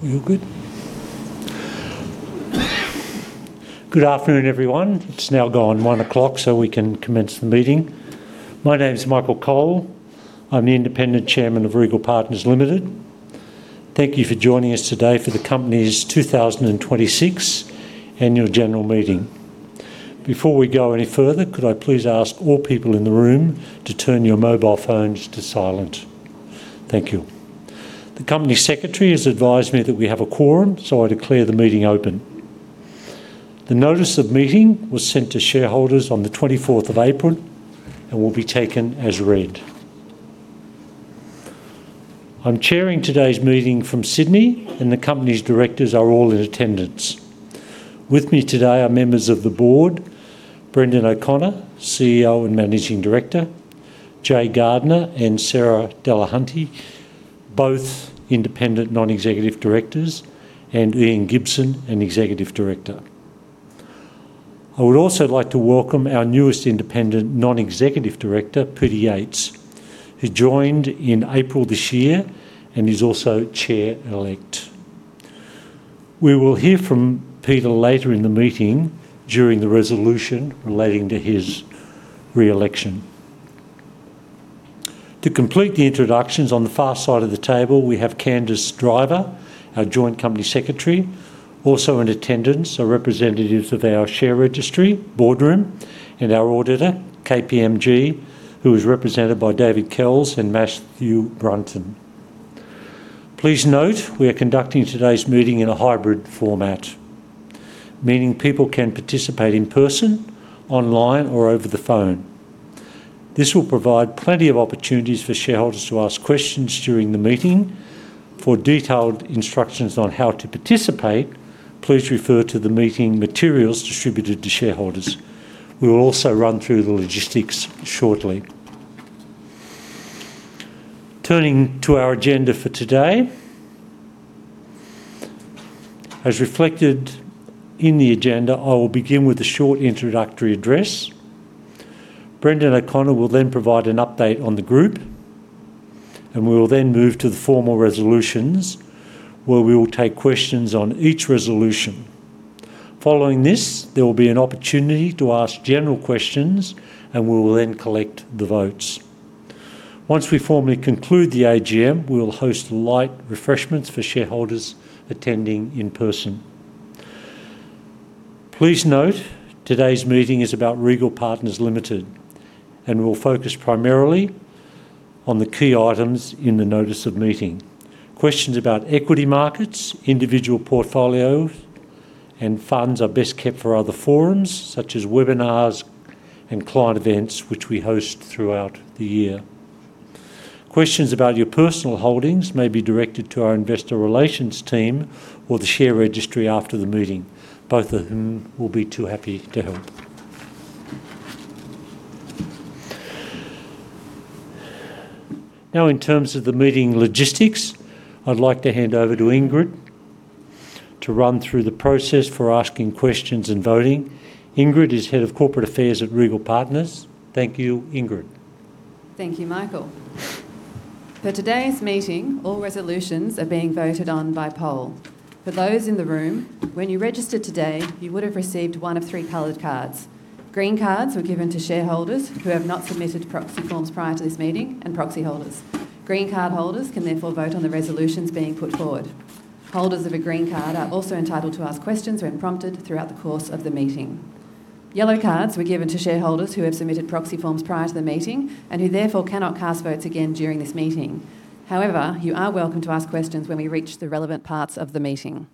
We all good? Good afternoon, everyone. It's now gone 1:00 P.M., so we can commence the meeting. My name is Michael Cole. I'm the Independent Chairman of Regal Partners Limited. Thank you for joining us today for the company's 2026 Annual General Meeting. Before we go any further, could I please ask all people in the room to turn your mobile phones to silent? Thank you. The company secretary has advised me that we have a quorum, so I declare the meeting open. The notice of meeting was sent to shareholders on the 24th of April and will be taken as read. I'm chairing today's meeting from Sydney, and the company's directors are all in attendance. With me today are members of the Board, Brendan O'Connor, CEO and Managing Director, Jaye Gardner and Sarah Dulhunty, both Independent Non-Executive Directors, and Ian Gibson, an Executive Director. I would also like to welcome our newest Independent Non-Executive Director, Peter Yates, who joined in April this year and is also Chair-elect. We will hear from Peter later in the meeting during the resolution relating to his re-election. To complete the introductions, on the far side of the table, we have Candice Driver, our joint company secretary. Also in attendance are representatives of our share registry, BoardRoom, and our auditor, KPMG, who is represented by David Kells and Matthew Brunton. Please note, we are conducting today's meeting in a hybrid format, meaning people can participate in person, online, or over the phone. This will provide plenty of opportunities for shareholders to ask questions during the meeting. For detailed instructions on how to participate, please refer to the meeting materials distributed to shareholders. We will also run through the logistics shortly. Turning to our agenda for today. As reflected in the agenda, I will begin with a short introductory address. Brendan O'Connor will then provide an update on the group, and we will then move to the formal resolutions, where we will take questions on each resolution. Following this, there will be an opportunity to ask general questions, and we will then collect the votes. Once we formally conclude the AGM, we will host light refreshments for shareholders attending in person. Please note, today's meeting is about Regal Partners Limited and will focus primarily on the key items in the notice of meeting. Questions about equity markets, individual portfolios, and funds are best kept for other forums, such as webinars and client events, which we host throughout the year. Questions about your personal holdings may be directed to our investor relations team or the share registry after the meeting, both of whom will be too happy to help. In terms of the meeting logistics, I'd like to hand over to Ingrid to run through the process for asking questions and voting. Ingrid is Head of Corporate Affairs at Regal Partners. Thank you, Ingrid. Thank you, Michael. For today's meeting, all resolutions are being voted on by poll. For those in the room, when you registered today, you would have received one of three colored cards. Green cards were given to shareholders who have not submitted proxy forms prior to this meeting and proxy holders. Green card holders can therefore vote on the resolutions being put forward. Holders of a green card are also entitled to ask questions when prompted throughout the course of the meeting. Yellow cards were given to shareholders who have submitted proxy forms prior to the meeting and who therefore cannot cast votes again during this meeting. However, you are welcome to ask questions when we reach the relevant parts of the meeting.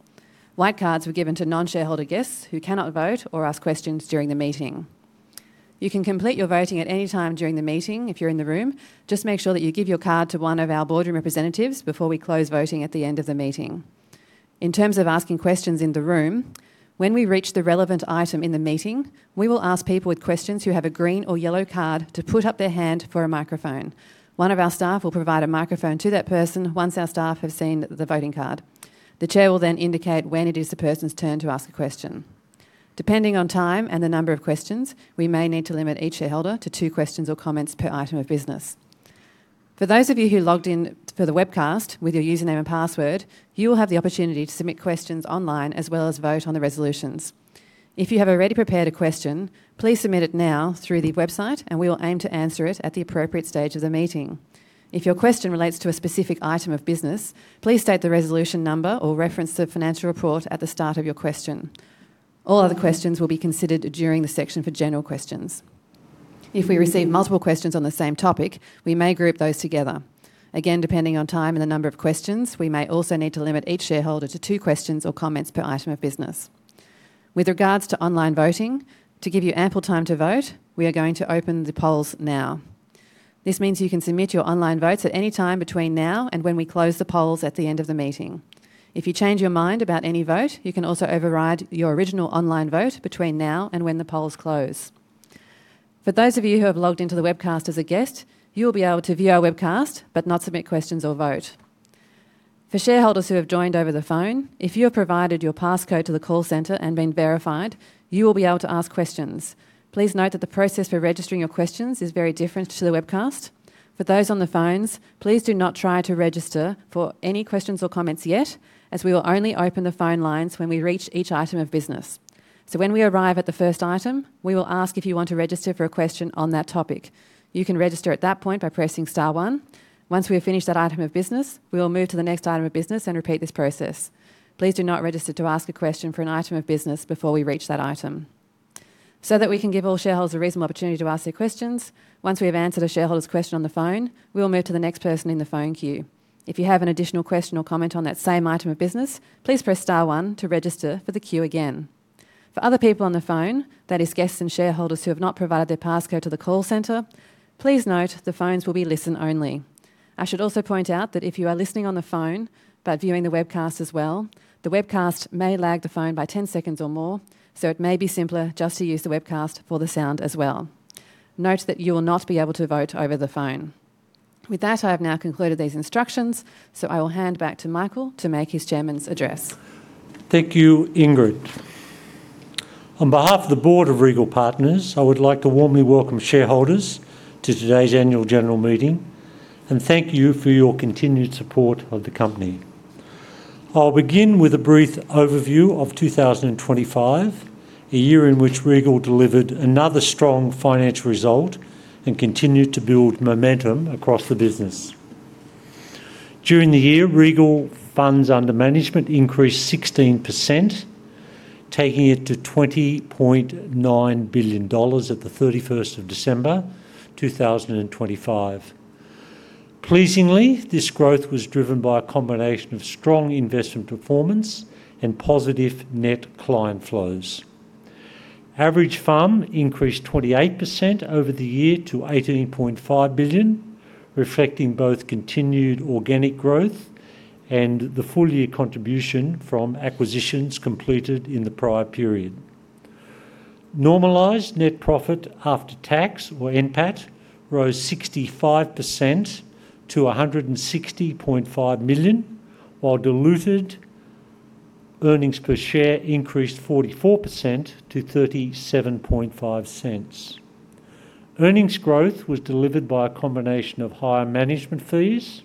White cards were given to non-shareholder guests who cannot vote or ask questions during the meeting. You can complete your voting at any time during the meeting if you're in the room. Just make sure that you give your card to one of our BoardRoom representatives before we close voting at the end of the meeting. In terms of asking questions in the room, when we reach the relevant item in the meeting, we will ask people with questions who have a green or yellow card to put up their hand for a microphone. One of our staff will provide a microphone to that person once our staff have seen the voting card. The chair will then indicate when it is the person's turn to ask a question. Depending on time and the number of questions, we may need to limit each shareholder to two questions or comments per item of business. For those of you who logged in for the webcast with your username and password, you will have the opportunity to submit questions online as well as vote on the resolutions. If you have already prepared a question, please submit it now through the website, and we will aim to answer it at the appropriate stage of the meeting. If your question relates to a specific item of business, please state the resolution number or reference the financial report at the start of your question. All other questions will be considered during the section for general questions. If we receive multiple questions on the same topic, we may group those together. Again, depending on time and the number of questions, we may also need to limit each shareholder to two questions or comments per item of business. With regards to online voting, to give you ample time to vote, we are going to open the polls now. This means you can submit your online votes at any time between now and when we close the polls at the end of the meeting. If you change your mind about any vote, you can also override your original online vote between now and when the polls close. For those of you who have logged into the webcast as a guest, you will be able to view our webcast but not submit questions or vote. For shareholders who have joined over the phone, if you have provided your passcode to the call center and been verified, you will be able to ask questions. Please note that the process for registering your questions is very different to the webcast. For those on the phones, please do not try to register for any questions or comments yet, as we will only open the phone lines when we reach each item of business. When we arrive at the first item, we will ask if you want to register for a question on that topic. You can register at that point by pressing star one. Once we have finished that item of business, we will move to the next item of business and repeat this process. Please do not register to ask a question for an item of business before we reach that item. That we can give all shareholders a reasonable opportunity to ask their questions, once we have answered a shareholder's question on the phone, we will move to the next person in the phone queue. If you have an additional question or comment on that same item of business, please press star one to register for the queue again. For other people on the phone, that is guests and shareholders who have not provided their passcode to the call center, please note the phones will be listen only. I should also point out that if you are listening on the phone but viewing the webcast as well, the webcast may lag the phone by 10 seconds or more, it may be simpler just to use the webcast for the sound as well. Note that you will not be able to vote over the phone. With that, I have now concluded these instructions. I will hand back to Michael to make his chairman's address. Thank you, Ingrid. On behalf of the Board of Regal Partners, I would like to warmly welcome shareholders to today's annual general meeting and thank you for your continued support of the company. I will begin with a brief overview of 2025, a year in which Regal delivered another strong financial result and continued to build momentum across the business. During the year, Regal funds under management increased 16%, taking it to 20.9 billion dollars at the 31st of December 2025. Pleasingly, this growth was driven by a combination of strong investment performance and positive net client flows. Average FUM increased 28% over the year to 18.5 billion, reflecting both continued organic growth and the full year contribution from acquisitions completed in the prior period. Normalized net profit after tax, or NPAT, rose 65% to 160.5 million, while diluted earnings per share increased 44% to 0.375. Earnings growth was delivered by a combination of higher management fees,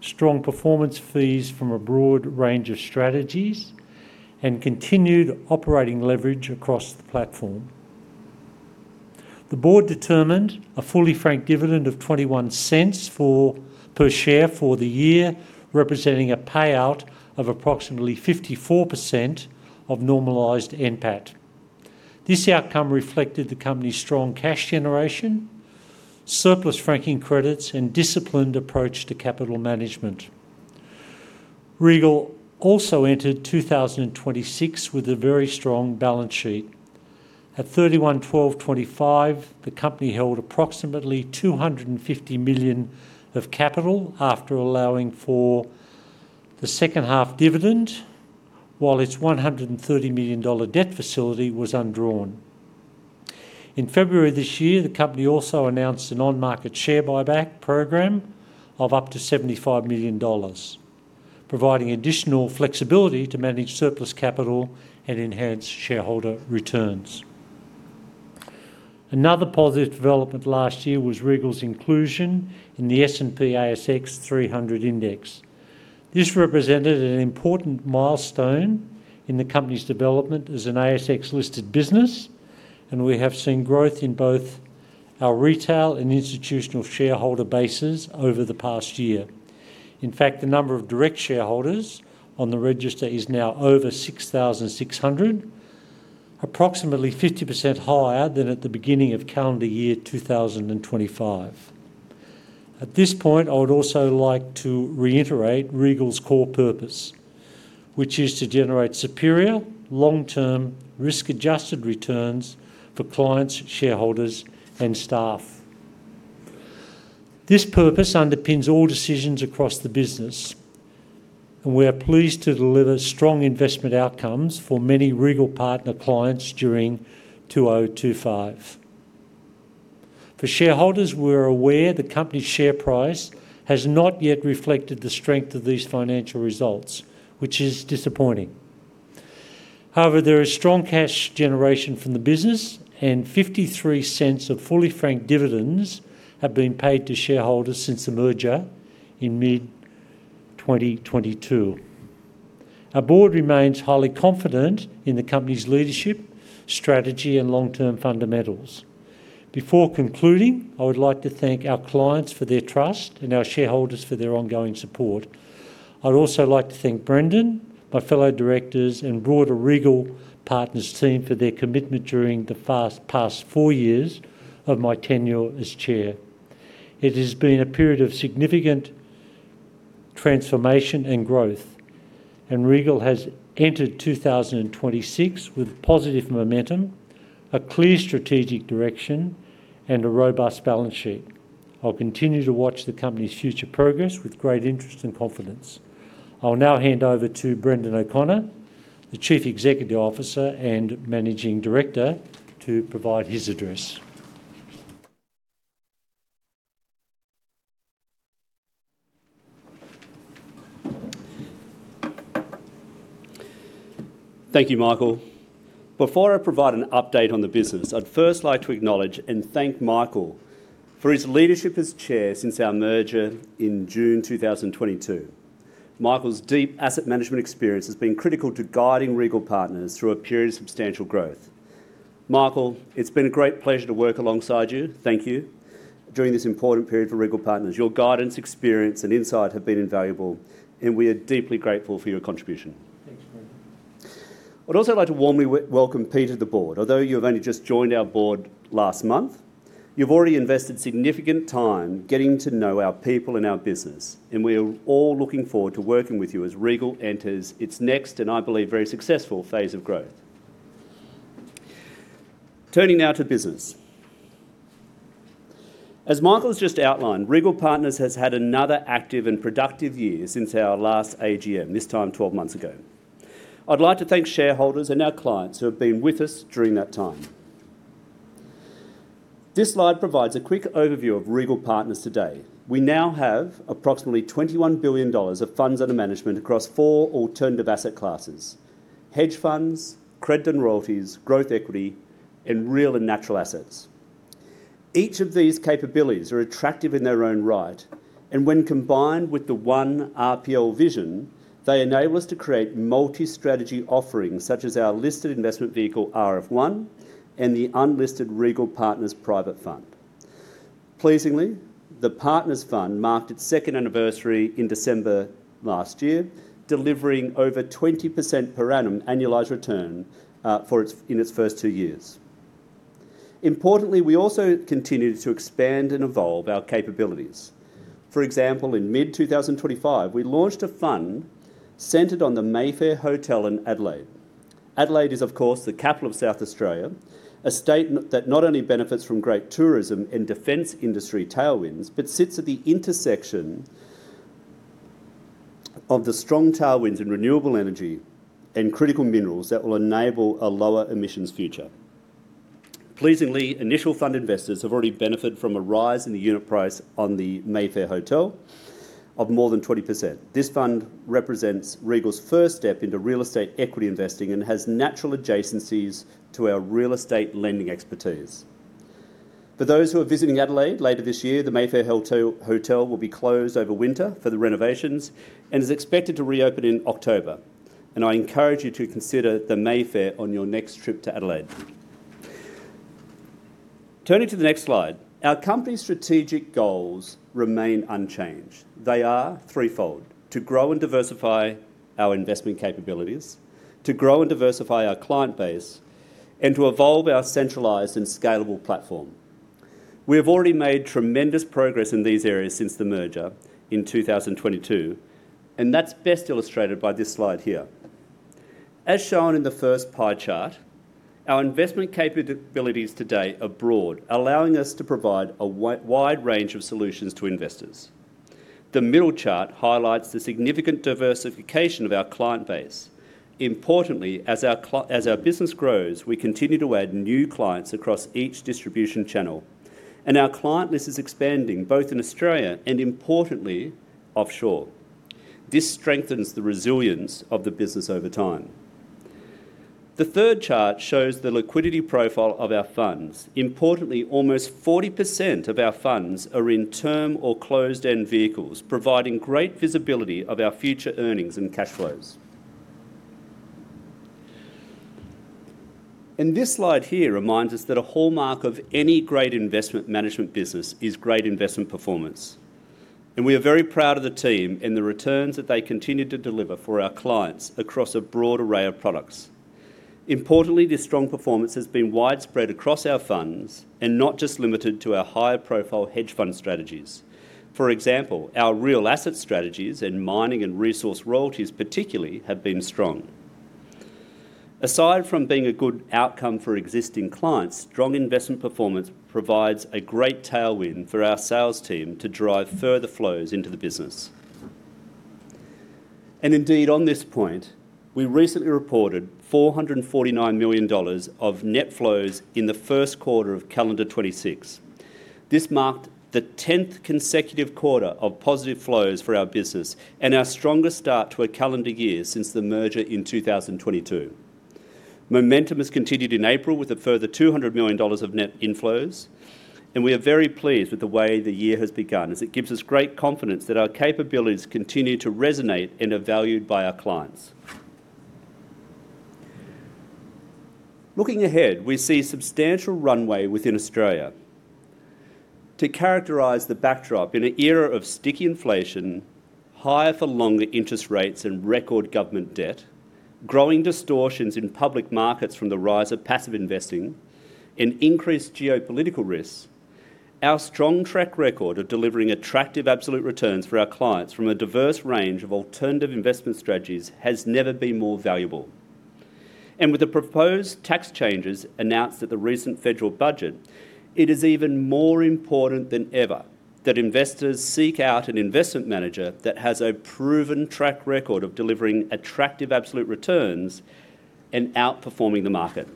strong performance fees from a broad range of strategies, and continued operating leverage across the platform. The board determined a fully franked dividend of 0.21 per share for the year, representing a payout of approximately 54% of normalized NPAT. This outcome reflected the company's strong cash generation, surplus franking credits, and disciplined approach to capital management. Regal also entered 2026 with a very strong balance sheet. At 31/12/2025, the company held approximately 250 million of capital after allowing for the second half dividend, while its 130 million dollar debt facility was undrawn. In February this year, the company also announced an on-market share buyback program of up to 75 million dollars, providing additional flexibility to manage surplus capital and enhance shareholder returns. Another positive development last year was Regal Partners' inclusion in the S&P/ASX 300 Index. This represented an important milestone in the company's development as an ASX-listed business, and we have seen growth in both our retail and institutional shareholder bases over the past year. In fact, the number of direct shareholders on the register is now over 6,600, approximately 50% higher than at the beginning of calendar year 2025. At this point, I would also like to reiterate Regal's core purpose, which is to generate superior long-term risk-adjusted returns for clients, shareholders, and staff. This purpose underpins all decisions across the business, and we are pleased to deliver strong investment outcomes for many Regal Partners clients during 2025. For shareholders, we're aware the company's share price has not yet reflected the strength of these financial results, which is disappointing. However, there is strong cash generation from the business, and 0.53 of fully franked dividends have been paid to shareholders since the merger in mid-2022. Our board remains highly confident in the company's leadership, strategy, and long-term fundamentals. Before concluding, I would like to thank our clients for their trust and our shareholders for their ongoing support. I'd also like to thank Brendan, my fellow directors, and broader Regal Partners team for their commitment during the past four years of my tenure as chair. It has been a period of significant transformation and growth, and Regal has entered 2026 with positive momentum, a clear strategic direction, and a robust balance sheet. I'll continue to watch the company's future progress with great interest and confidence. I'll now hand over to Brendan O'Connor, the Chief Executive Officer and Managing Director, to provide his address Thank you, Michael. Before I provide an update on the business, I'd first like to acknowledge and thank Michael for his leadership as Chair since our merger in June 2022. Michael's deep asset management experience has been critical to guiding Regal Partners through a period of substantial growth. Michael, it's been a great pleasure to work alongside you, thank you, during this important period for Regal Partners. Your guidance, experience, and insight have been invaluable, and we are deeply grateful for your contribution. Thanks, Brendan. I'd also like to warmly welcome Peter to the board. Although you have only just joined our board last month, you've already invested significant time getting to know our people and our business, and we are all looking forward to working with you as Regal enters its next, and I believe, very successful phase of growth. Turning now to business. As Michael's just outlined, Regal Partners has had another active and productive year since our last AGM, this time 12 months ago. I'd like to thank shareholders and our clients who have been with us during that time. This slide provides a quick overview of Regal Partners today. We now have approximately 21 billion dollars of funds under management across four alternative asset classes: hedge funds, credit and royalties, growth equity, and real and natural assets. Each of these capabilities are attractive in their own right, and when combined with the one RPL vision, they enable us to create multi-strategy offerings, such as our listed investment vehicle RF1, and the unlisted Regal Partners Private Fund. Pleasingly, the Partners Fund marked its second anniversary in December last year, delivering over 20% per annum annualized return in its first two years. Importantly, we also continued to expand and evolve our capabilities. For example, in mid-2025, we launched a fund centered on the Mayfair Hotel in Adelaide. Adelaide is, of course, the capital of South Australia, a state that not only benefits from great tourism and defense industry tailwinds, but sits at the intersection of the strong tailwinds in renewable energy and critical minerals that will enable a lower emissions future. Pleasingly, initial fund investors have already benefited from a rise in the unit price on the Mayfair Hotel of more than 20%. This fund represents Regal's first step into real estate equity investing and has natural adjacencies to our real estate lending expertise. For those who are visiting Adelaide later this year, the Mayfair Hotel will be closed over winter for the renovations and is expected to reopen in October, and I encourage you to consider the Mayfair on your next trip to Adelaide. Turning to the next slide. Our company's strategic goals remain unchanged. They are threefold. To grow and diversify our investment capabilities, to grow and diversify our client base, and to evolve our centralized and scalable platform. We have already made tremendous progress in these areas since the merger in 2022, and that's best illustrated by this slide here. As shown in the first pie chart, our investment capabilities today are broad, allowing us to provide a wide range of solutions to investors. The middle chart highlights the significant diversification of our client base. Importantly, as our business grows, we continue to add new clients across each distribution channel, and our client list is expanding both in Australia and, importantly, offshore. This strengthens the resilience of the business over time. The third chart shows the liquidity profile of our funds. Importantly, almost 40% of our funds are in term or closed-end vehicles, providing great visibility of our future earnings and cash flows. This slide here reminds us that a hallmark of any great investment management business is great investment performance, and we are very proud of the team and the returns that they continue to deliver for our clients across a broad array of products. Importantly, this strong performance has been widespread across our funds and not just limited to our higher profile hedge fund strategies. For example, our real asset strategies in mining and resource royalties particularly have been strong. Aside from being a good outcome for existing clients, strong investment performance provides a great tailwind for our sales team to drive further flows into the business. Indeed, on this point, we recently reported 449 million dollars of net flows in the first quarter of calendar 2026. This marked the 10th consecutive quarter of positive flows for our business and our strongest start to a calendar year since the merger in 2022. Momentum has continued in April with a further 200 million dollars of net inflows. We are very pleased with the way the year has begun, as it gives us great confidence that our capabilities continue to resonate and are valued by our clients. Looking ahead, we see substantial runway within Australia. To characterize the backdrop in an era of sticky inflation, higher for longer interest rates and record government debt, growing distortions in public markets from the rise of passive investing, increased geopolitical risks, our strong track record of delivering attractive absolute returns for our clients from a diverse range of alternative investment strategies has never been more valuable. With the proposed tax changes announced at the recent federal budget, it is even more important than ever that investors seek out an investment manager that has a proven track record of delivering attractive absolute returns and outperforming the market.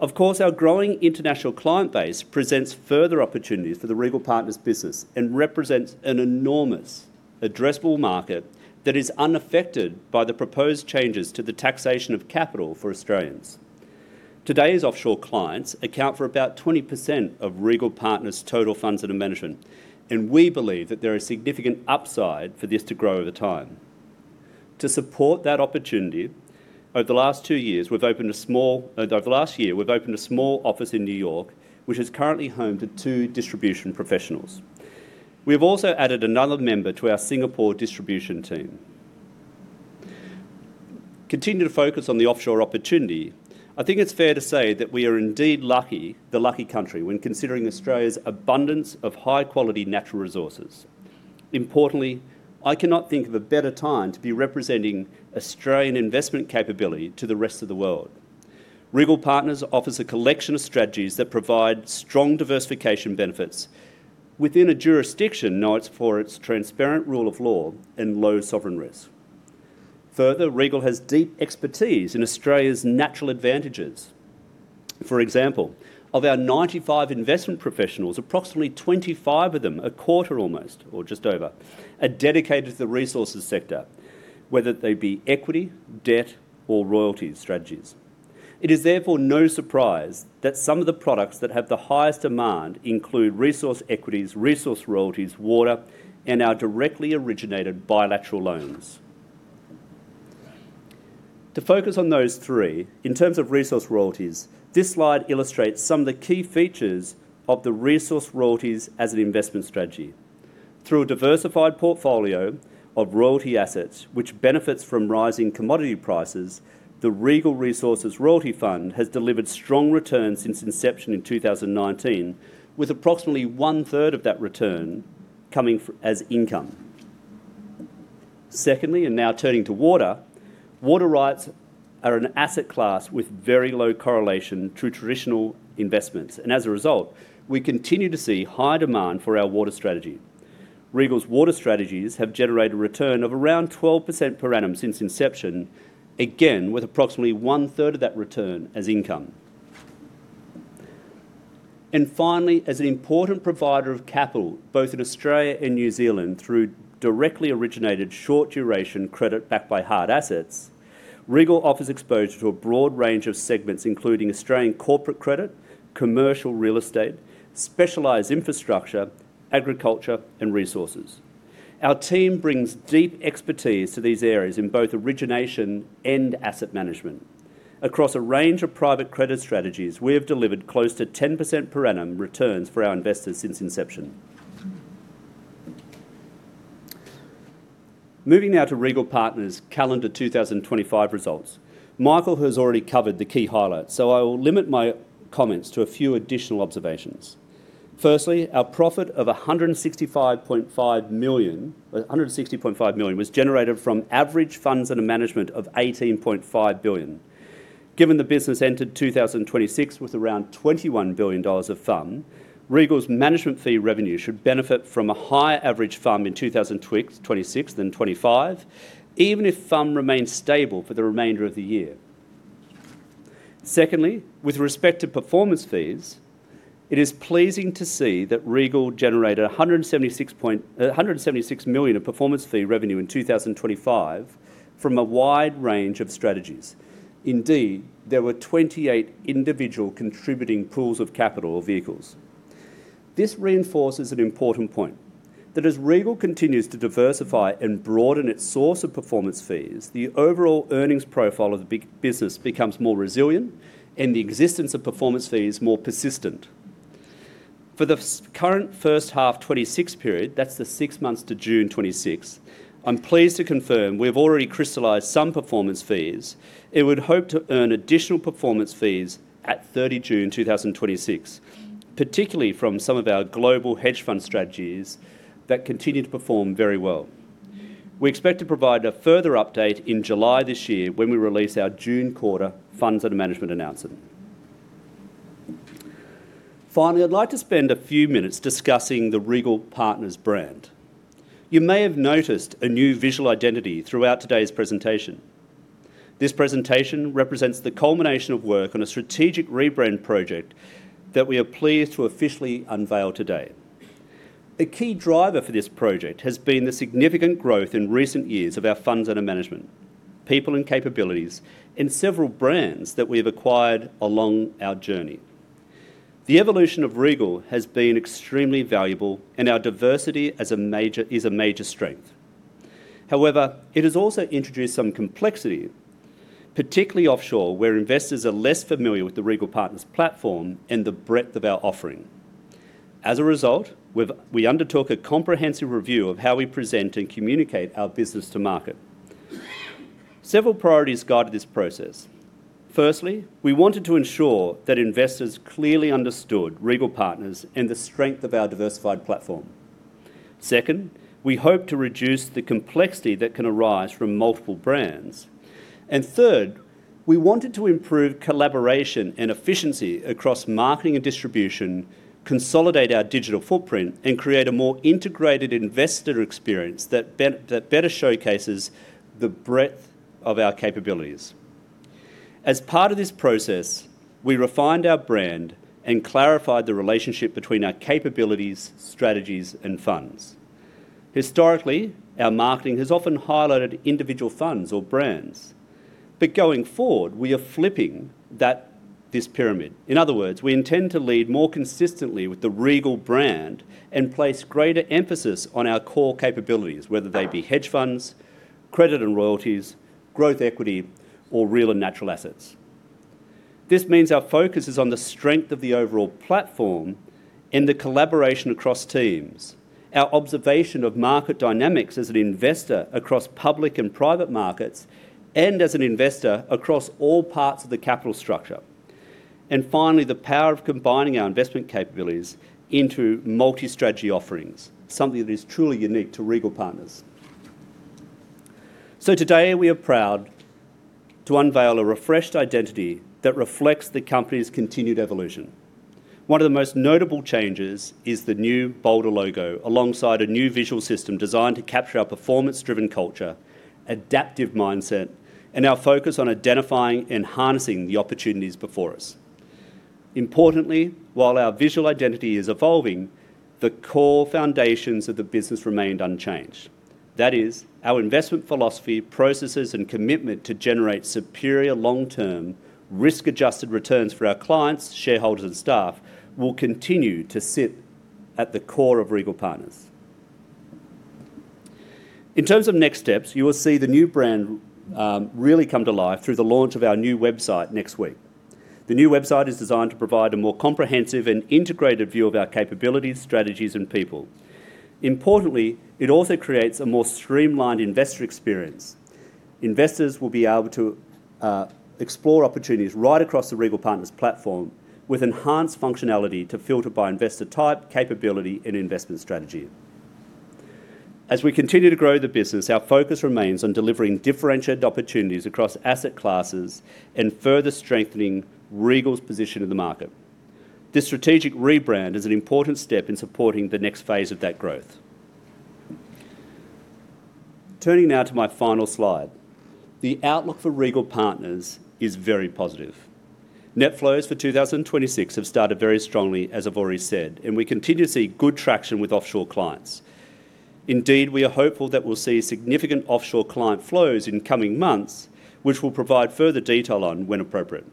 Of course, our growing international client base presents further opportunities for the Regal Partners business and represents an enormous addressable market that is unaffected by the proposed changes to the taxation of capital for Australians. Today's offshore clients account for about 20% of Regal Partners' total funds under management, and we believe that there is significant upside for this to grow over time. To support that opportunity, over the last year, we've opened a small office in New York, which is currently home to two distribution professionals. We have also added another member to our Singapore distribution team. Continue to focus on the offshore opportunity. I think it's fair to say that we are indeed lucky, the lucky country, when considering Australia's abundance of high-quality natural resources. Importantly, I cannot think of a better time to be representing Australian investment capability to the rest of the world. Regal Partners offers a collection of strategies that provide strong diversification benefits within a jurisdiction known for its transparent rule of law and low sovereign risk. Further, Regal has deep expertise in Australia's natural advantages. For example, of our 95 investment professionals, approximately 25 of them, a quarter almost, or just over, are dedicated to the resources sector, whether they be equity, debt, or royalties strategies. It is therefore no surprise that some of the products that have the highest demand include resource equities, resource royalties, water, and our directly originated bilateral loans. To focus on those three, in terms of resource royalties, this slide illustrates some of the key features of the resource royalties as an investment strategy. Through a diversified portfolio of royalty assets, which benefits from rising commodity prices, the Regal Resources Royalties Fund has delivered strong returns since inception in 2019, with approximately 1/3 of that return coming as income. Secondly, now turning to water rights are an asset class with very low correlation to traditional investments, and as a result, we continue to see high demand for our water strategy. Regal's water strategies have generated a return of around 12% per annum since inception, again, with approximately one-third of that return as income. Finally, as an important provider of capital, both in Australia and New Zealand, through directly originated short duration credit backed by hard assets, Regal offers exposure to a broad range of segments, including Australian corporate credit, commercial real estate, specialized infrastructure, agriculture, and resources. Our team brings deep expertise to these areas in both origination and asset management. Across a range of private credit strategies, we have delivered close to 10% per annum returns for our investors since inception. Moving now to Regal Partners' calendar 2025 results. Michael has already covered the key highlights, so I will limit my comments to a few additional observations. Firstly, our profit of 160.5 million was generated from average funds under management of 18.5 billion. Given the business entered 2026 with around AUD 21 billion of FUM, Regal's management fee revenue should benefit from a higher average FUM in 2026 than 2025, even if FUM remains stable for the remainder of the year. Secondly, with respect to performance fees, it is pleasing to see that Regal generated 176 million of performance fee revenue in 2025 from a wide range of strategies. Indeed, there were 28 individual contributing pools of capital or vehicles. This reinforces an important point, that as Regal continues to diversify and broaden its source of performance fees, the overall earnings profile of the business becomes more resilient and the existence of performance fees more persistent. For the current first half 2026 period, that's the six months to June 2026, I'm pleased to confirm we've already crystallized some performance fees and would hope to earn additional performance fees at 30 June 2026, particularly from some of our global hedge fund strategies that continue to perform very well. We expect to provide a further update in July this year when we release our June quarter funds under management announcement. Finally, I'd like to spend a few minutes discussing the Regal Partners brand. You may have noticed a new visual identity throughout today's presentation. This presentation represents the culmination of work on a strategic rebrand project that we are pleased to officially unveil today. A key driver for this project has been the significant growth in recent years of our funds under management, people and capabilities, and several brands that we've acquired along our journey. The evolution of Regal has been extremely valuable, and our diversity is a major strength. It has also introduced some complexity, particularly offshore, where investors are less familiar with the Regal Partners platform and the breadth of our offering. We undertook a comprehensive review of how we present and communicate our business to market. Several priorities guided this process. We wanted to ensure that investors clearly understood Regal Partners and the strength of our diversified platform. We hope to reduce the complexity that can arise from multiple brands. Third, we wanted to improve collaboration and efficiency across marketing and distribution, consolidate our digital footprint, and create a more integrated investor experience that better showcases the breadth of our capabilities. As part of this process, we refined our brand and clarified the relationship between our capabilities, strategies, and funds. Historically, our marketing has often highlighted individual funds or brands. Going forward, we are flipping this pyramid. In other words, we intend to lead more consistently with the Regal brand and place greater emphasis on our core capabilities, whether they be hedge funds, credit and royalties, growth equity, or real and natural assets. This means our focus is on the strength of the overall platform and the collaboration across teams, our observation of market dynamics as an investor across public and private markets, and as an investor across all parts of the capital structure, and finally, the power of combining our investment capabilities into multi-strategy offerings, something that is truly unique to Regal Partners. Today, we are proud to unveil a refreshed identity that reflects the company's continued evolution. One of the most notable changes is the new bolder logo, alongside a new visual system designed to capture our performance-driven culture, adaptive mindset, and our focus on identifying and harnessing the opportunities before us. Importantly, while our visual identity is evolving, the core foundations of the business remained unchanged. That is, our investment philosophy, processes, and commitment to generate superior long-term risk-adjusted returns for our clients, shareholders, and staff will continue to sit at the core of Regal Partners. In terms of next steps, you will see the new brand really come to life through the launch of our new website next week. The new website is designed to provide a more comprehensive and integrated view of our capabilities, strategies, and people. Importantly, it also creates a more streamlined investor experience. Investors will be able to explore opportunities right across the Regal Partners platform with enhanced functionality to filter by investor type, capability, and investment strategy. As we continue to grow the business, our focus remains on delivering differentiated opportunities across asset classes and further strengthening Regal's position in the market. This strategic rebrand is an important step in supporting the next phase of that growth. Turning now to my final slide. The outlook for Regal Partners is very positive. Net flows for 2026 have started very strongly, as I've already said, and we continue to see good traction with offshore clients. Indeed, we are hopeful that we'll see significant offshore client flows in the coming months, which we'll provide further detail on when appropriate.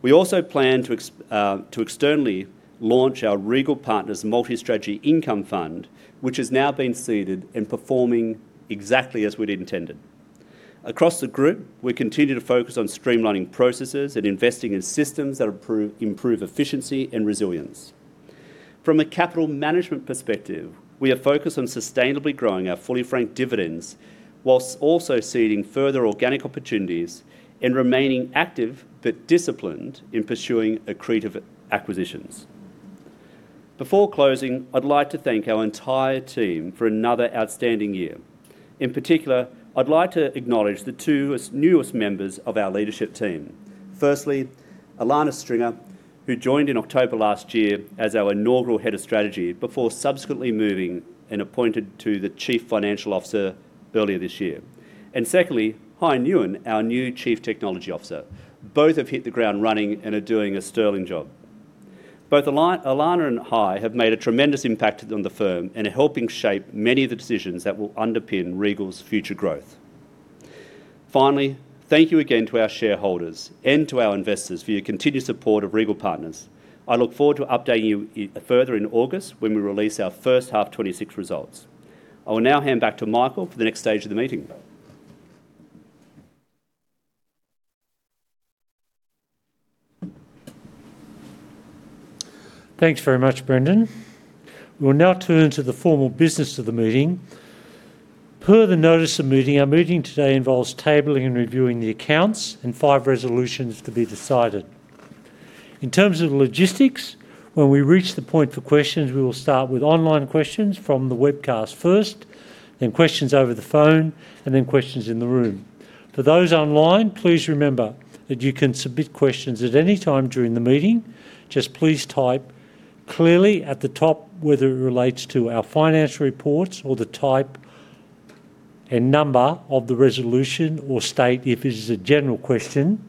We also plan to externally launch our Regal Partners Multi-Strategy Income Fund, which has now been seeded and performing exactly as we'd intended. Across the group, we continue to focus on streamlining processes and investing in systems that improve efficiency and resilience. From a capital management perspective, we are focused on sustainably growing our fully franked dividends whilst also seeding further organic opportunities and remaining active but disciplined in pursuing accretive acquisitions. Before closing, I'd like to thank our entire team for another outstanding year. In particular, I'd like to acknowledge the two newest members of our leadership team. Firstly, Ilana Stringer, who joined in October last year as our inaugural Head of Strategy before subsequently moving and appointed to the Chief Financial Officer earlier this year. Secondly, Hai Nguyen, our new Chief Technology Officer. Both have hit the ground running and are doing a sterling job. Both Ilana and Hai have made a tremendous impact on the firm and are helping shape many of the decisions that will underpin Regal's future growth. Finally, thank you again to our shareholders and to our investors for your continued support of Regal Partners. I look forward to updating you further in August when we release our first half 2026 results. I will now hand back to Michael for the next stage of the meeting. Thanks very much, Brendan. We will now turn to the formal business of the meeting. Per the notice of meeting, our meeting today involves tabling and reviewing the accounts and five resolutions to be decided. In terms of logistics, when we reach the point for questions, we will start with online questions from the webcast first, then questions over the phone, then questions in the room. For those online, please remember that you can submit questions at any time during the meeting. Just please type clearly at the top whether it relates to our financial reports or the type and number of the resolution or state if this is a general question,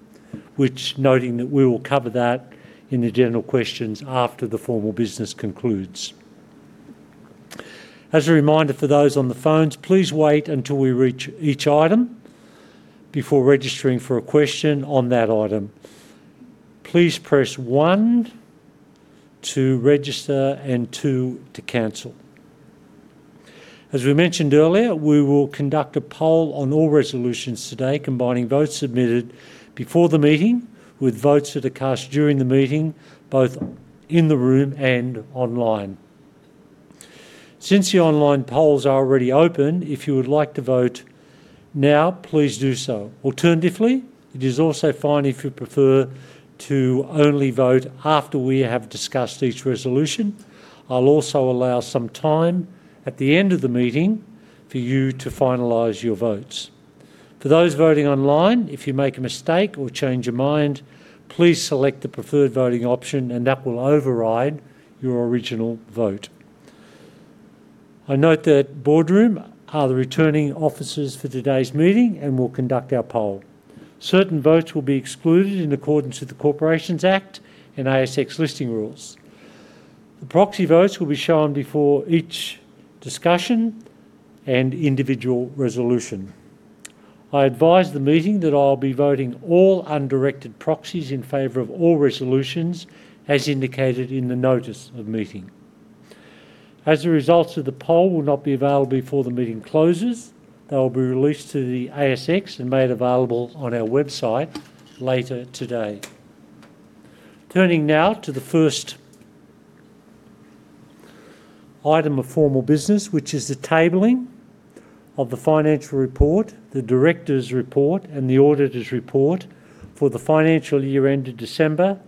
which noting that we will cover that in the general questions after the formal business concludes. As a reminder for those on the phones, please wait until we reach each item before registering for a question on that item. Please press one to register and two to cancel. As we mentioned earlier, we will conduct a poll on all resolutions today, combining votes submitted before the meeting with votes that are cast during the meeting, both in the room and online. Since the online polls are already open, if you would like to vote now, please do so. Alternatively, it is also fine if you prefer to only vote after we have discussed each resolution. I'll also allow some time at the end of the meeting for you to finalize your votes. For those voting online, if you make a mistake or change your mind, please select the preferred voting option, and that will override your original vote. I note that BoardRoom are the returning officers for today's meeting and will conduct our poll. Certain votes will be excluded in accordance with the Corporations Act and ASX listing rules. The proxy votes will be shown before each discussion and individual resolution. I advise the meeting that I'll be voting all undirected proxies in favor of all resolutions as indicated in the notice of meeting. As the results of the poll will not be available before the meeting closes, they'll be released to the ASX and made available on our website later today. Turning now to the first item of formal business, which is the tabling of the financial report, the directors report, and the auditor's report for the financial year ended December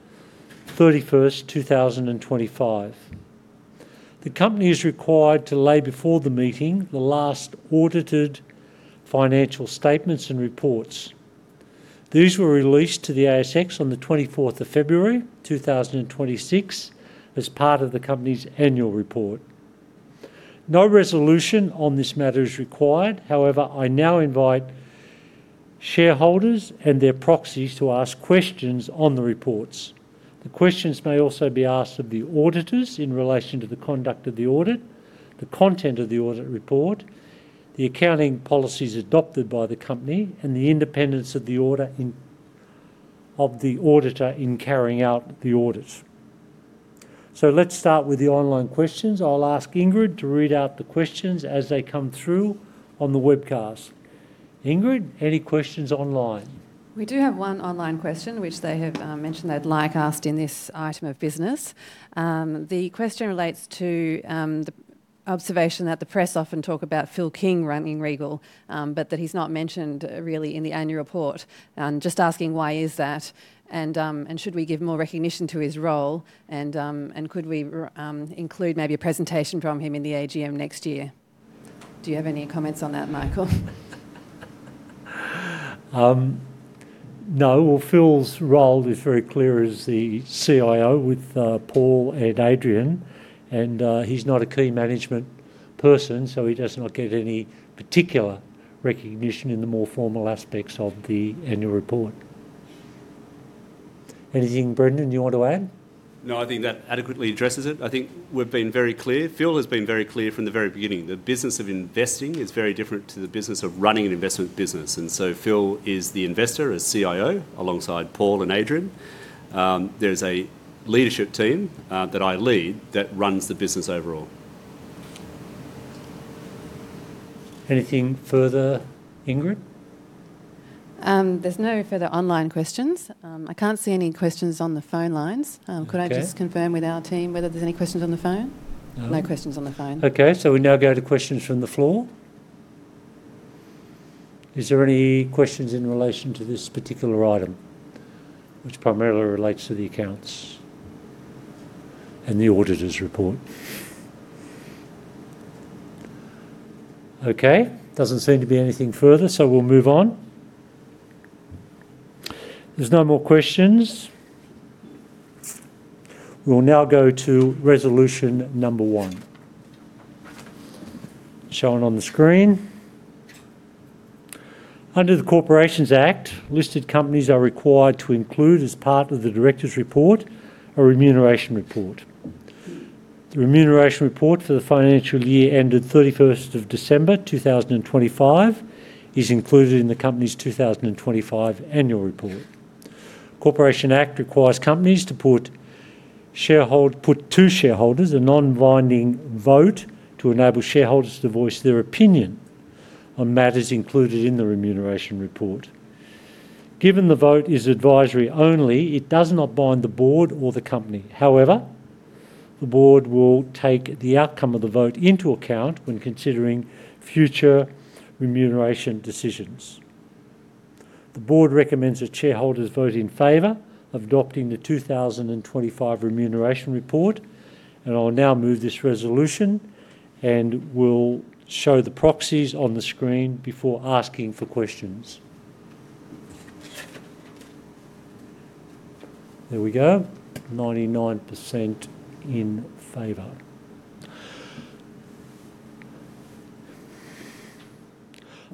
31st 2025. The company is required to lay before the meeting the last audited financial statements and reports. These were released to the ASX on the 24th of February 2026 as part of the company's annual report. No resolution on this matter is required. I now invite shareholders and their proxies to ask questions on the reports. The questions may also be asked of the auditors in relation to the conduct of the audit, the content of the audit report, the accounting policies adopted by the company, and the independence of the auditor in carrying out the audit. Let's start with the online questions. I'll ask Ingrid to read out the questions as they come through on the webcast. Ingrid, any questions online? We do have one online question, which they have mentioned they'd like asked in this item of business. The question relates to the observation that the press often talk about Phil King running Regal, but that he's not mentioned really in the annual report. Just asking why is that, and should we give more recognize to his role, and could we include maybe a presentation from him in the AGM next year? Do you have any comments on that, Michael? No. Well, Phil's role is very clear as the CIO with Paul and Adrian, and he's not a key management person, so he does not get any particular recognition in the more formal aspects of the annual report. Anything Brendan you want to add? No, I think that adequately addresses it. I think we've been very clear. Phil has been very clear from the very beginning. The business of investing is very different to the business of running an investment business. Phil is the investor, a CIO alongside Paul and Adrian. There's a leadership team that I lead that runs the business overall. Anything further, Ingrid? There's no further online questions. I can't see any questions on the phone lines. Okay. Could I just confirm with our team whether there's any questions on the phone? No. No questions on the phone. Okay, we now go to questions from the floor. Is there any questions in relation to this particular item, which primarily relates to the accounts and the auditor's report? Okay. Doesn't seem to be anything further, we'll move on. If there's no more questions, we'll now go to Resolution 1, shown on the screen. Under the Corporations Act, listed companies are required to include as part of the directors report a remuneration report. The remuneration report for the financial year ended 31st of December 2025 is included in the company's 2025 annual report. Corporations Act requires companies to put to shareholders a non-binding vote to enable shareholders to voice their opinion on matters included in the remuneration report. Given the vote is advisory only, it does not bind the board or the company. However, the board will take the outcome of the vote into account when considering future remuneration decisions. The board recommends that shareholders vote in favor of adopting the 2025 Remuneration Report. I will now move this resolution, we'll show the proxies on the screen before asking for questions. There we go. 99% in favor.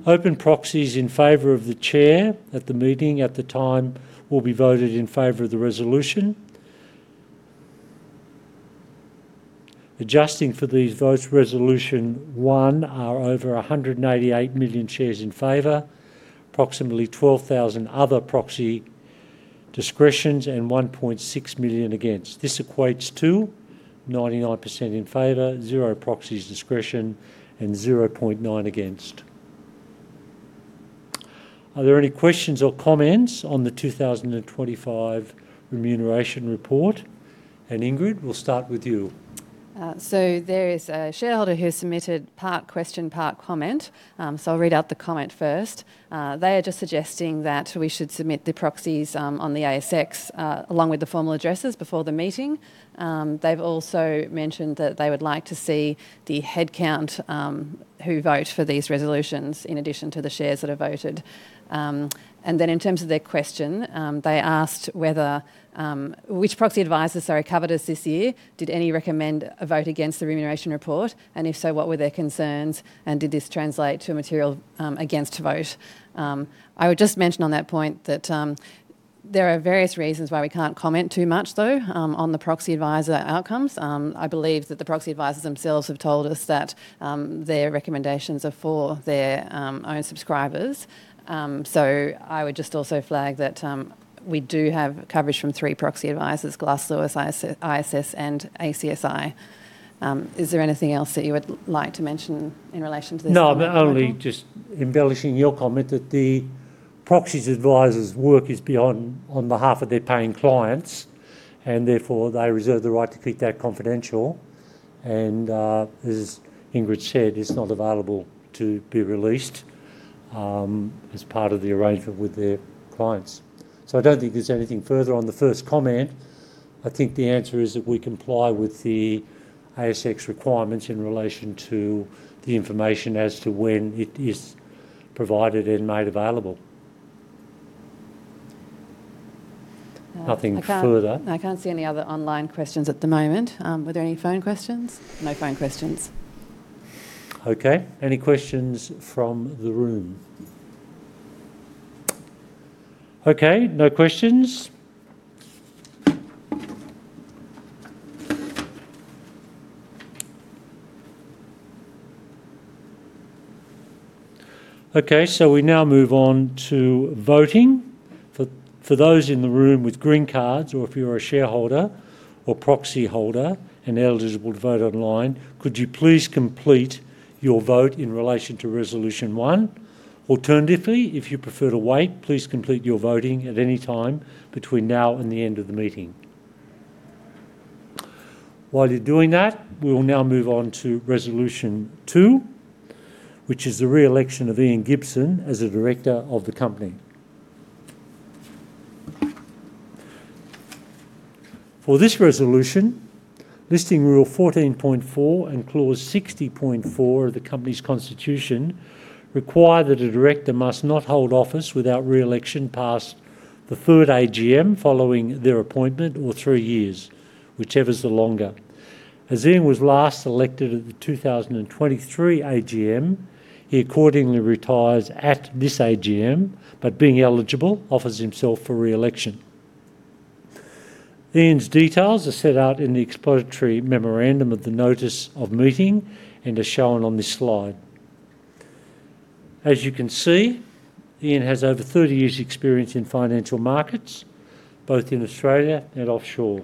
Open proxies in favor of the chair at the meeting at the time will be voted in favor of the resolution. Adjusting for these votes, resolution one are over 188 million shares in favor, approximately 12,000 other proxy discretions, and 1.6 million against. This equates to 99% in favor, zero proxies discretion, and 0.9 against. Are there any questions or comments on the 2025 Remuneration Report? Ingrid, we'll start with you. There is a shareholder who submitted part question, part comment, so I'll read out the comment first. They are just suggesting that we should submit the proxies on the ASX, along with the formal addresses before the meeting. They've also mentioned that they would like to see the head count, who vote for these resolutions in addition to the shares that are voted. In terms of their question, they asked which proxy advisers covered us this year, did any recommend a vote against the remuneration report? And if so, what were their concerns, and did this translate to a material against vote? I would just mention on that point that there are various reasons why we can't comment too much though, on the proxy adviser outcomes. I believe that the proxy advisers themselves have told us that their recommendations are for their own subscribers. I would just also flag that we do have coverage from three proxy advisers, Glass Lewis, ISS, and ACSI. Is there anything else that you would like to mention in relation to this? No, only just embellishing your comment that the proxy's adviser's work is on behalf of their paying clients, therefore, they reserve the right to keep that confidential. As Ingrid said, it's not available to be released, as part of the arrangement with their clients. I don't think there's anything further on the first comment. I think the answer is that we comply with the ASX requirements in relation to the information as to when it is provided and made available. Nothing further. I can't see any other online questions at the moment. Were there any phone questions? No phone questions. Okay. Any questions from the room? Okay, no questions. Okay, we now move on to voting. For those in the room with green cards or if you're a shareholder or proxy holder and eligible to vote online, could you please complete your vote in relation to Resolution 1? Alternatively, if you prefer to wait, please complete your voting at any time between now and the end of the meeting. While you're doing that, we will now move on to Resolution 2, which is the re-election of Ian Gibson as the director of the company. For this resolution, Listing Rule 14.4 and clause 60.4 of the company's constitution require that a director must not hold office without re-election past the third AGM following their appointment or three years, whichever's the longer. As Ian was last elected at the 2023 AGM, he accordingly retires at this AGM, but being eligible, offers himself for re-election. Ian's details are set out in the explanatory memorandum of the notice of meeting and as shown on this slide. As you can see, Ian has over 30 years' experience in financial markets, both in Australia and offshore,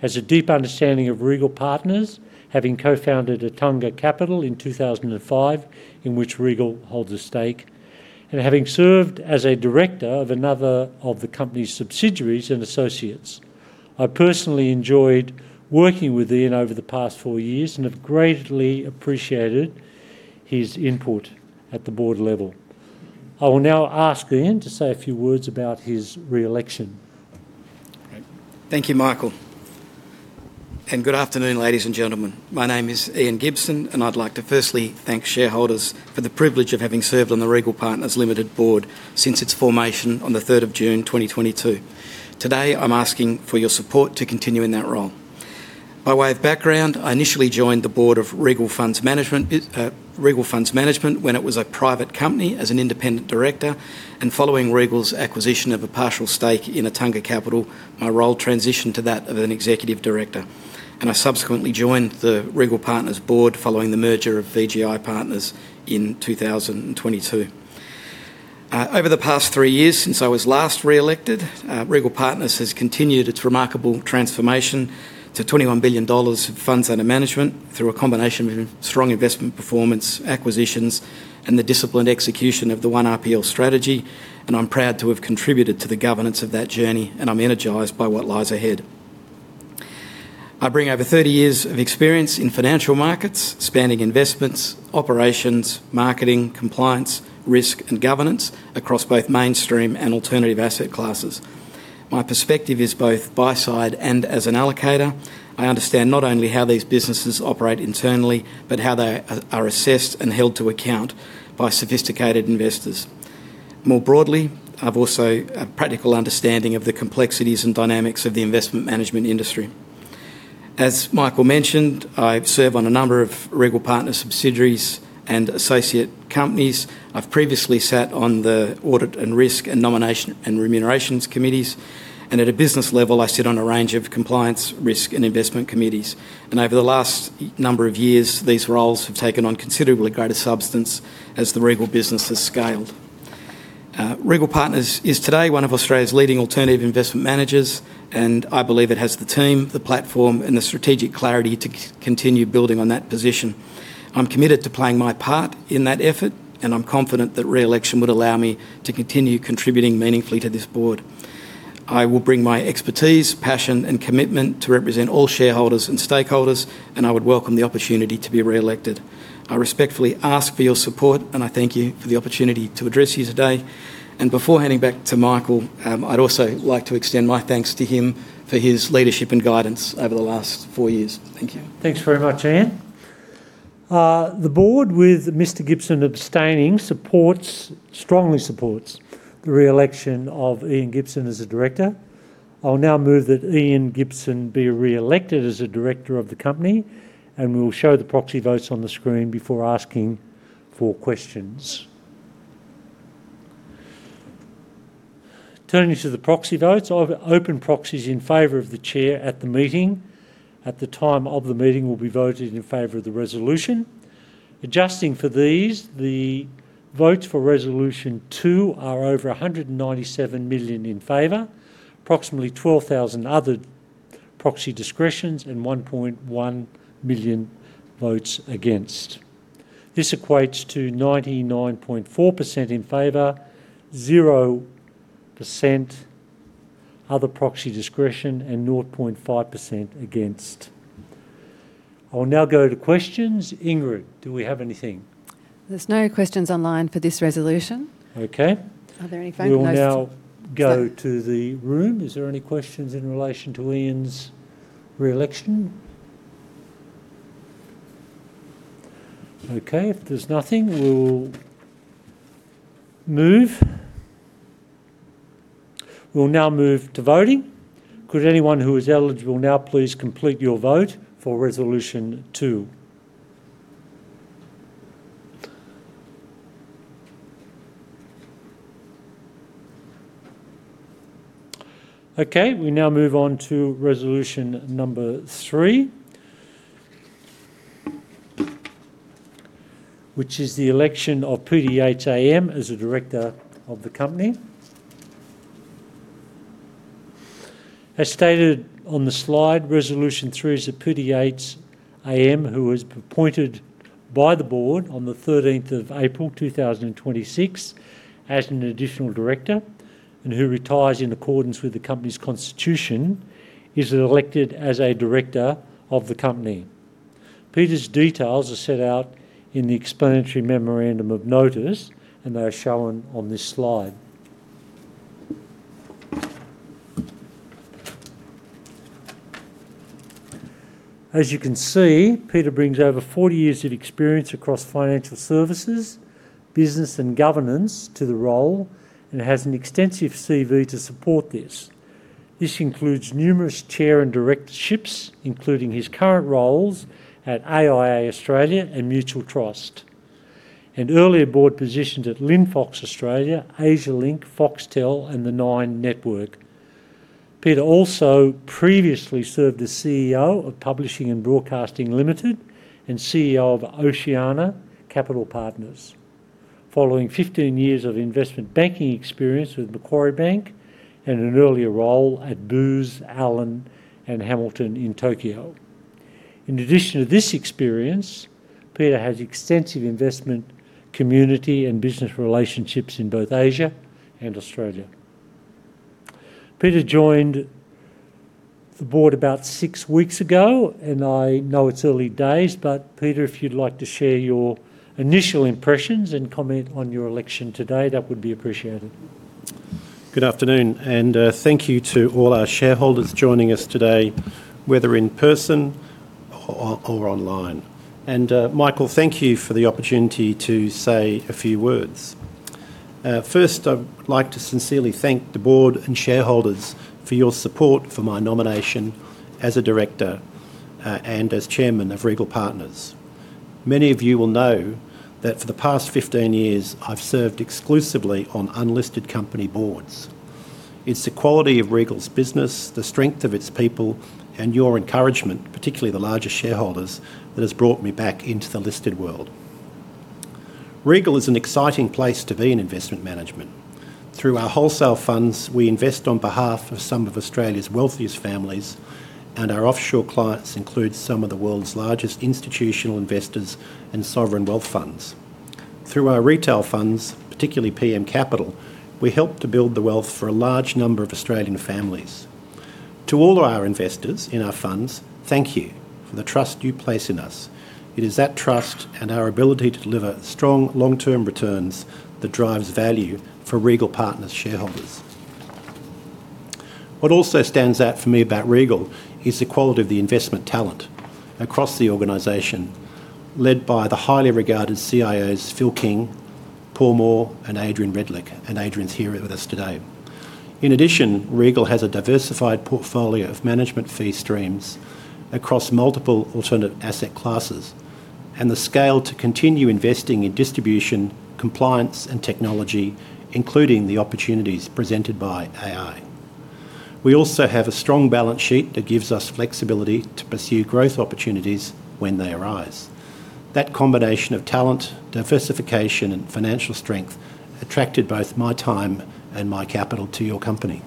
has a deep understanding of Regal Partners, having co-founded Attunga Capital in 2005, in which Regal holds a stake, and having served as a director of another of the company's subsidiaries and associates. I personally enjoyed working with Ian over the past four years and have greatly appreciated his input at the board level. I will now ask Ian to say a few words about his re-election. Great. Thank you, Michael. Good afternoon, ladies and gentlemen. My name is Ian Gibson, I'd like to firstly thank shareholders for the privilege of having served on the Regal Partners Limited board since its formation on the 3rd of June 2022. Today, I'm asking for your support to continue in that role. By way of background, I initially joined the board of Regal Funds Management when it was a private company as an independent director, following Regal's acquisition of a partial stake in Attunga Capital, my role transitioned to that of an executive director. I subsequently joined the Regal Partners board following the merger of VGI Partners in 2022. Over the past three years since I was last re-elected, Regal Partners has continued its remarkable transformation to 21 billion dollars in funds under management through a combination of strong investment performance acquisitions and the disciplined execution of the one RPL strategy, and I'm proud to have contributed to the governance of that journey, and I'm energized by what lies ahead. I bring over 30 years of experience in financial markets, spanning investments, operations, marketing, compliance, risk, and governance across both mainstream and alternative asset classes. My perspective is both buy side and as an allocator. I understand not only how these businesses operate internally, but how they are assessed and held to account by sophisticated investors. More broadly, I've also a practical understanding of the complexities and dynamics of the investment management industry. As Michael mentioned, I serve on a number of Regal Partners subsidiaries and associate companies. I've previously sat on the audit and risk and nomination and remunerations committees, and at a business level, I sit on a range of compliance, risk, and investment committees. Over the last number of years, these roles have taken on considerably greater substance as the Regal business has scaled. Regal Partners is today one of Australia's leading alternative investment managers, and I believe it has the team, the platform, and the strategic clarity to continue building on that position. I'm committed to playing my part in that effort, and I'm confident that re-election would allow me to continue contributing meaningfully to this board. I will bring my expertise, passion, and commitment to represent all shareholders and stakeholders, and I would welcome the opportunity to be reelected. I respectfully ask for your support, and I thank you for the opportunity to address you today. Before handing back to Michael, I'd also like to extend my thanks to him for his leadership and guidance over the last four years. Thank you. Thanks very much, Ian. The board, with Mr. Gibson abstaining, strongly supports the reelection of Ian Gibson as a director. I will now move that Ian Gibson be reelected as a director of the company, and we will show the proxy votes on the screen before asking for questions. Turning to the proxy votes, of open proxies in favor of the chair at the meeting, at the time of the meeting will be voted in favor of the resolution. Adjusting for these, the votes for Resolution 2 are over 197 million in favor, approximately 12,000 other proxy discretions, and 1.1 million votes against. This equates to 99.4% in favor, 0% other proxy discretion, and 0.5% against. I will now go to questions. Ingrid, do we have anything? There's no questions online for this resolution. Okay. Are there any phone questions? We will now go to the room. Is there any questions in relation to Ian's reelection? Okay, if there's nothing, we'll now move to voting. Could anyone who is eligible now please complete your vote for Resolution 2? Okay, we now move on to Resolution 3, which is the election of Peter Yates AM as a director of the company. As stated on the slide, Resolution 3 is that Peter Yates AM, who was appointed by the board on the 13th of April, 2026 as an additional director, and who retires in accordance with the company's constitution, is elected as a director of the company. Peter's details are set out in the explanatory memorandum of notice, and they are shown on this slide. As you can see, Peter brings over 40 years of experience across financial services, business, and governance to the role, and has an extensive CV to support this. This includes numerous chair and directorships, including his current roles at AIA Australia and Mutual Trust, and earlier board positions at Linfox Australia, Asialink, Foxtel, and the Nine Network. Peter also previously served as CEO of Publishing and Broadcasting Limited, and CEO of Oceania Capital Partners, following 15 years of investment banking experience with Macquarie Bank and an earlier role at Booz Allen & Hamilton in Tokyo. In addition to this experience, Peter has extensive investment community and business relationships in both Asia and Australia. Peter joined the board about six weeks ago, and I know it's early days, but Peter, if you'd like to share your initial impressions and comment on your election today, that would be appreciated. Good afternoon, and thank you to all our shareholders joining us today, whether in person or online. Michael, thank you for the opportunity to say a few words. First, I would like to sincerely thank the board and shareholders for your support for my nomination as a director, and as Chairman of Regal Partners. Many of you will know that for the past 15 years, I've served exclusively on unlisted company boards. It's the quality of Regal's business, the strength of its people, and your encouragement, particularly the larger shareholders, that has brought me back into the listed world. Regal is an exciting place to be in investment management. Through our wholesale funds, we invest on behalf of some of Australia's wealthiest families, and our offshore clients include some of the world's largest institutional investors and sovereign wealth funds. Through our retail funds, particularly PM Capital, we help to build the wealth for a large number of Australian families. To all our investors in our funds, thank you for the trust you place in us. It is that trust and our ability to deliver strong long-term returns that drives value for Regal Partners shareholders. What also stands out for me about Regal is the quality of the investment talent across the organization, led by the highly regarded CIOs, Phil King, Paul Moore, and Adrian Redlich, and Adrian's here with us today. In addition, Regal has a diversified portfolio of management fee streams across multiple alternative asset classes, and the scale to continue investing in distribution, compliance, and technology, including the opportunities presented by AI. We also have a strong balance sheet that gives us flexibility to pursue growth opportunities when they arise. That combination of talent, diversification, and financial strength attracted both my time and my capital to your company.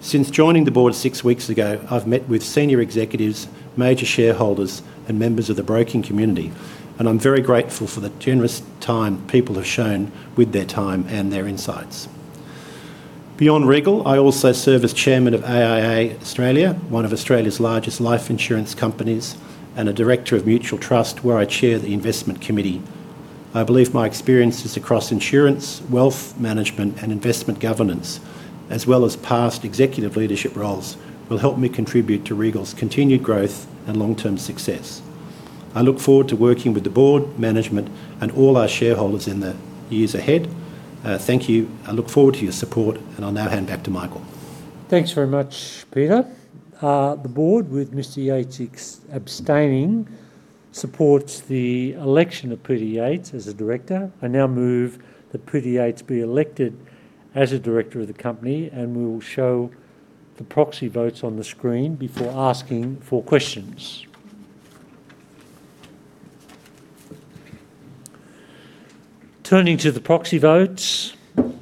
Since joining the board six weeks ago, I've met with senior executives, major shareholders, and members of the broking community, and I'm very grateful for the generous time people have shown with their time and their insights. Beyond Regal, I also serve as chairman of AIA Australia, one of Australia's largest life insurance companies, and a director of Mutual Trust, where I chair the investment committee. I believe my experiences across insurance, wealth management, and investment governance, as well as past executive leadership roles, will help me contribute to Regal's continued growth and long-term success. I look forward to working with the board, management, and all our shareholders in the years ahead. Thank you. I look forward to your support, and I'll now hand back to Michael. Thanks very much, Peter. The board, with Mr. Yates abstaining, supports the election of Peter Yates as a director. I now move that Peter Yates be elected as a director of the company. We will show the proxy votes on the screen before asking for questions. Turning to the proxy votes,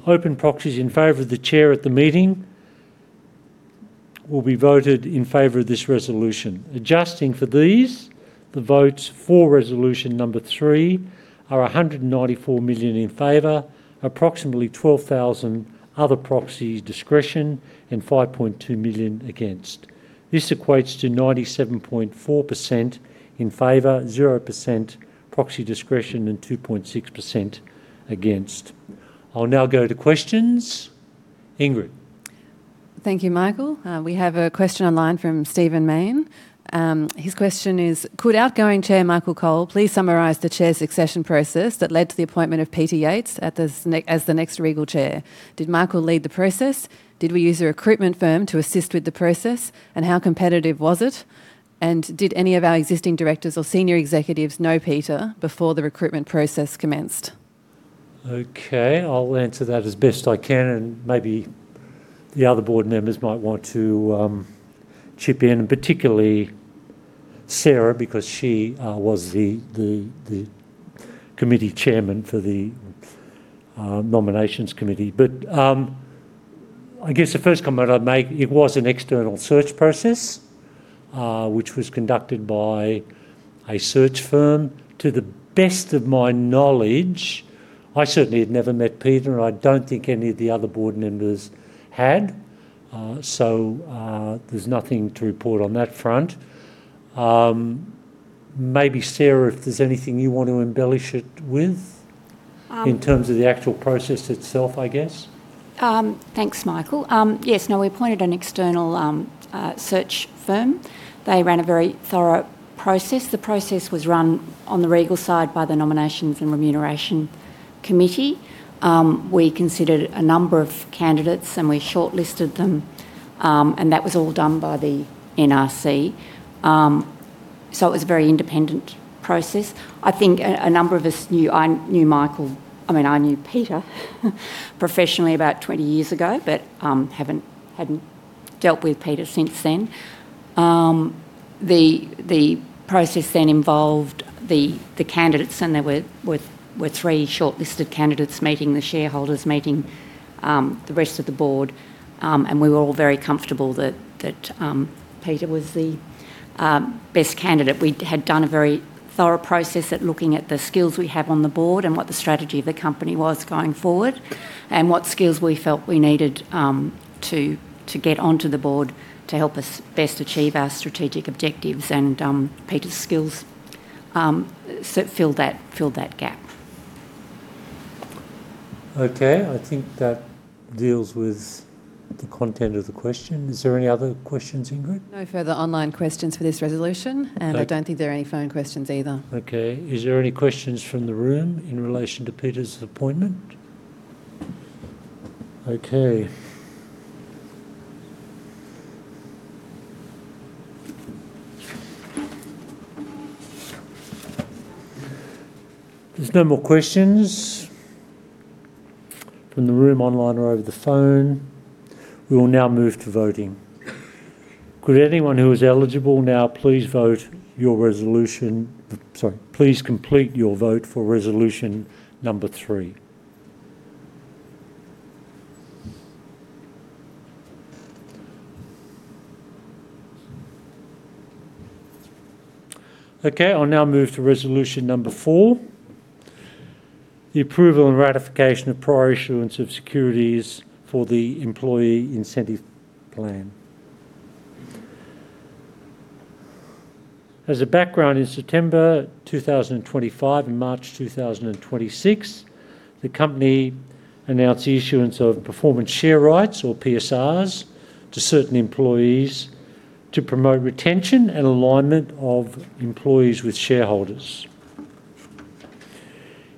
open proxies in favor of the chair at the meeting will be voted in favor of this resolution. Adjusting for these, the votes for Resolution 3 are 194 million in favor, approximately 12,000 other proxy discretion, and 5.2 million against. This equates to 97.4% in favor, 0% proxy discretion, and 2.6% against. I'll now go to questions. Ingrid. Thank you, Michael. We have a question online from Steven Main. His question is, "Could outgoing Chair Michael Cole please summarize the Chair succession process that led to the appointment of Peter Yates as the next Regal Chair? Did Michael lead the process? Did we use a recruitment firm to assist with the process, and how competitive was it? Did any of our existing directors or senior executives know Peter before the recruitment process commenced? Okay, I'll answer that as best I can, and maybe the other board members might want to chip in, and particularly Sarah, because she was the committee chairman for the nominations committee. I guess the first comment I'd make, it was an external search process, which was conducted by a search firm. To the best of my knowledge, I certainly had never met Peter, and I don't think any of the other board members had. There's nothing to report on that front. Maybe Sarah, if there's anything you want to embellish it with in terms of the actual process itself, I guess. Thanks, Michael. Yes. We appointed an external search firm. They ran a very thorough process. The process was run on the Regal side by the nominations and remuneration committee. We considered a number of candidates, and we shortlisted them, and that was all done by the NRC. It was a very independent process. I think a number of us knew Michael. I knew Peter professionally about 20 years ago, but hadn't dealt with Peter since then. The process then involved the candidates, and there were three shortlisted candidates meeting the shareholders, meeting the rest of the board, and we were all very comfortable that Peter was the best candidate. We had done a very thorough process at looking at the skills we have on the board and what the strategy of the company was going forward, and what skills we felt we needed to get onto the board to help us best achieve our strategic objectives. Peter's skills filled that gap. Okay. I think that deals with the content of the question. Is there any other questions, Ingrid? No further online questions for this resolution, and I don't think there are any phone questions eithe Okay. Is there any questions from the room in relation to Peter Yates's appointment? Okay. If there's no more questions from the room, online, or over the phone, we will now move to voting. Could anyone who is eligible now please vote your resolution. Please complete your vote for Resolution 3. Okay, I'll now move to Resolution 4, the approval and ratification of prior issuance of securities for the employee incentive plan. As a background, in September 2025 and March 2026, the company announced the issuance of Performance Share Rights, or PSRs, to certain employees to promote retention and alignment of employees with shareholders.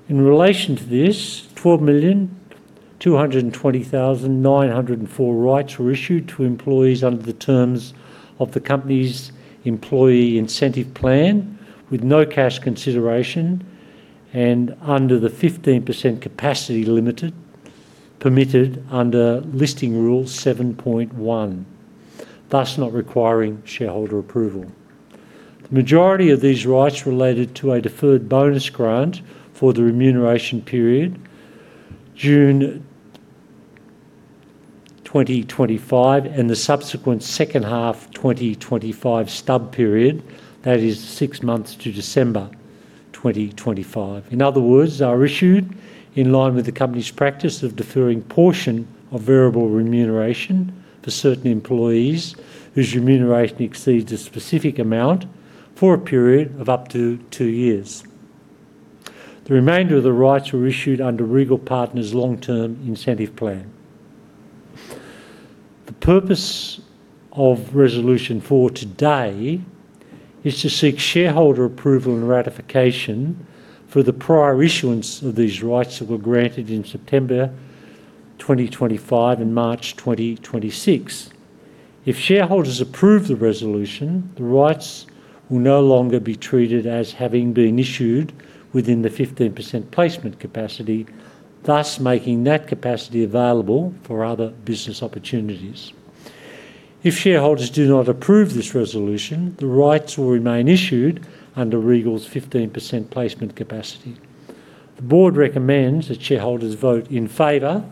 In relation to this, 12,220,904 rights were issued to employees under the terms of the company's employee incentive plan with no cash consideration, and under the 15% capacity permitted under Listing Rule 7.1, thus not requiring shareholder approval. The majority of these rights related to a deferred bonus grant for the remuneration period, June 2025, and the subsequent second half 2025 stub period. That is six months to December 2025. In other words, are issued in line with the company's practice of deferring portion of variable remuneration for certain employees whose remuneration exceeds a specific amount, for a period of up to two years. The remainder of the rights were issued under Regal Partners' long-term incentive plan. The purpose of Resolution 4 today is to seek shareholder approval and ratification for the prior issuance of these rights that were granted in September 2025 and March 2026. If shareholders approve the resolution, the rights will no longer be treated as having been issued within the 15% placement capacity, thus making that capacity available for other business opportunities. If shareholders do not approve this resolution, the rights will remain issued under Regal Partners' 15% placement capacity. The board recommends that shareholders vote in favor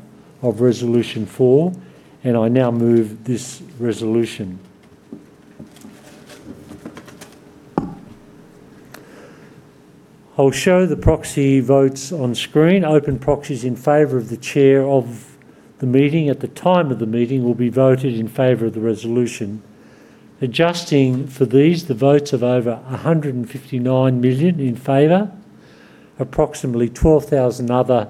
of resolution four. I now move this resolution. I'll show the proxy votes on screen. Open proxies in favor of the chair of the meeting at the time of the meeting will be voted in favor of the resolution. Adjusting for these, the votes of over 159 million in favor, approximately 12,000 other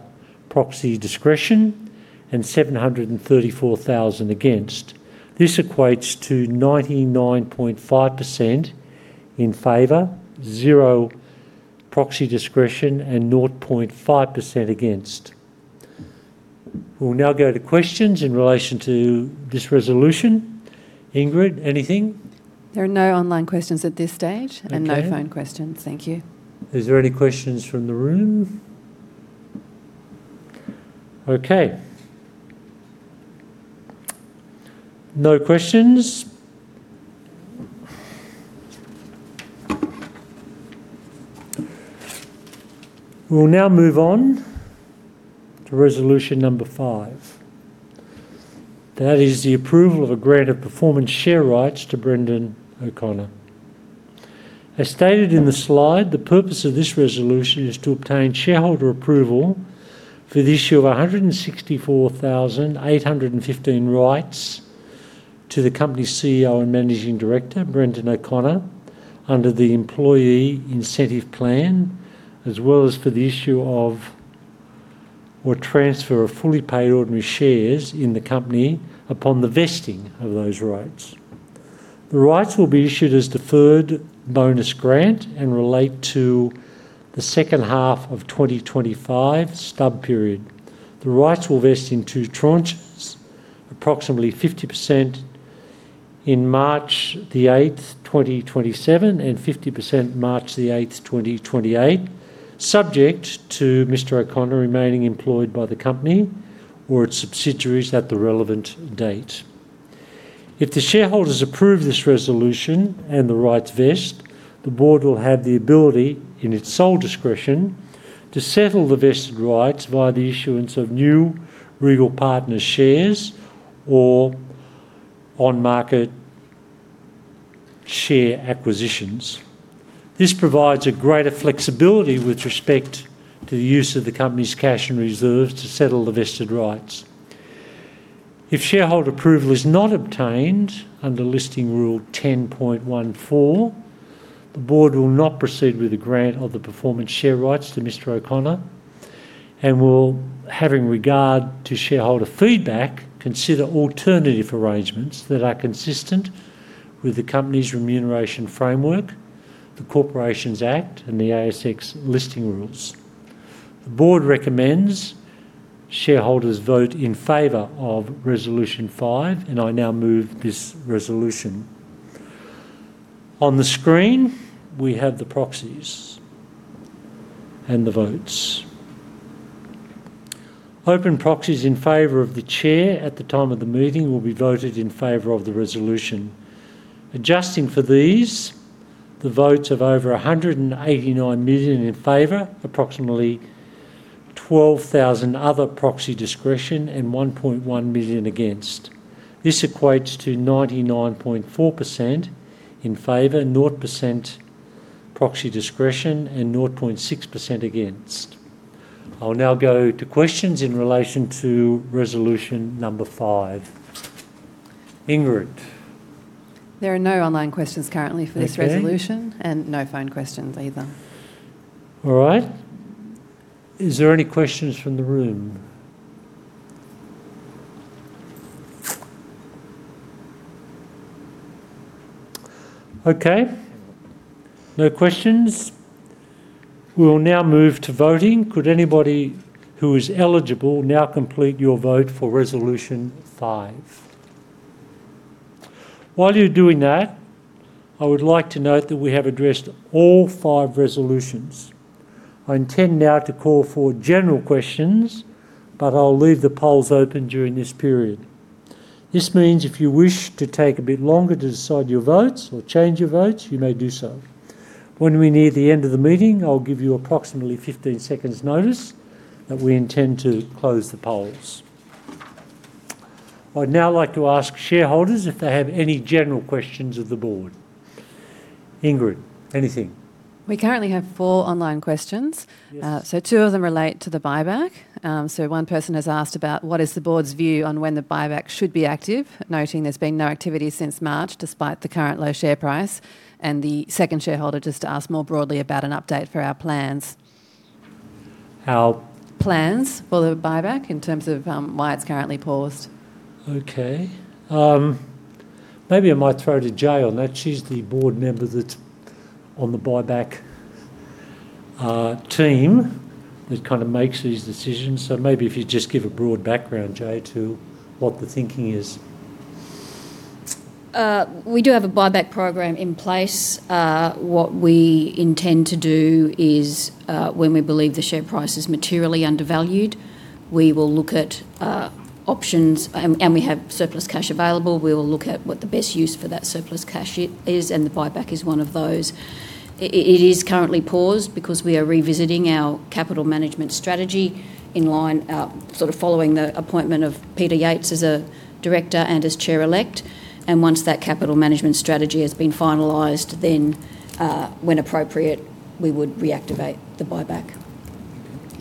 proxy discretion, and 734,000 against. This equates to 99.5% in favor, 0 proxy discretion, and 0.5% against. We'll now go to questions in relation to this resolution. Ingrid, anything? There are no online questions at this stage. Okay. No phone questions. Thank you. Is there any questions from the room? Okay. No questions. We'll now move on to Resolution 5. That is the approval of a grant of Performance Share Rights to Brendan O'Connor. As stated in the slide, the purpose of this resolution is to obtain shareholder approval for the issue of 164,815 rights to the company CEO and Managing Director, Brendan O'Connor, under the employee incentive plan, as well as for the issue of or transfer of fully paid ordinary shares in the company upon the vesting of those rights. The rights will be issued as deferred bonus grant and relate to the second half of 2025 stub period. The rights will vest in two tranches, approximately 50% in March the 8th, 2027, and 50% March the 8th, 2028, subject to Mr. O'Connor remaining employed by the company or its subsidiaries at the relevant date. If the shareholders approve this resolution and the rights vest, the board will have the ability, in its sole discretion, to settle the vested rights via the issuance of new Regal Partners shares or on market share acquisitions. This provides a greater flexibility with respect to the use of the company's cash and reserves to settle the vested rights. If shareholder approval is not obtained under Listing Rule 10.14, the board will not proceed with the grant of the Performance Share Rights to Mr. O'Connor and will, having regard to shareholder feedback, consider alternative arrangements that are consistent with the company's remuneration framework, the Corporations Act, and the ASX Listing Rules. The board recommends shareholders vote in favor of Resolution 5, and I now move this resolution. On the screen, we have the proxies and the votes. Open proxies in favor of the chair at the time of the meeting will be voted in favor of the resolution. Adjusting for these, the votes of over 189 million in favor, approximately 12,000 other proxy discretion, and 1.1 million against. This equates to 99.4% in favor, 0% proxy discretion, and 0.6% against. I'll now go to questions in relation to Resolution 5. Ingrid. There are no online questions currently for this resolution. Okay. No phone questions either. All right. Is there any questions from the room? Okay. No questions. We'll now move to voting. Could anybody who is eligible now complete your vote for Resolution 5? While you're doing that, I would like to note that we have addressed all five resolutions. I intend now to call for general questions, but I'll leave the polls open during this period. This means if you wish to take a bit longer to decide your votes or change your votes, you may do so. When we near the end of the meeting, I'll give you approximately 15 seconds notice that we intend to close the polls. I'd now like to ask shareholders if they have any general questions of the board. Ingrid, anything? We currently have four online questions. Yes. Two of them relate to the buyback. One person has asked about what is the board's view on when the buyback should be active, noting there's been no activity since March, despite the current low share price. The second shareholder just asked more broadly about an update for our plans. Our? Plans for the buyback in terms of why it's currently paused. Okay. Maybe I might throw to Jaye on that. She's the board member that's on the buyback team, that kind of makes these decisions. Maybe if you just give a broad background, Jaye, to what the thinking is. We do have a buyback program in place. What we intend to do is, when we believe the share price is materially undervalued, we will look at options, and we have surplus cash available, we will look at what the best use for that surplus cash is, and the buyback is one of those. It is currently paused because we are revisiting our capital management strategy in line, sort of following the appointment of Peter Yates as a Director and as Chair-elect. Once that capital management strategy has been finalized, when appropriate, we would reactivate the buyback.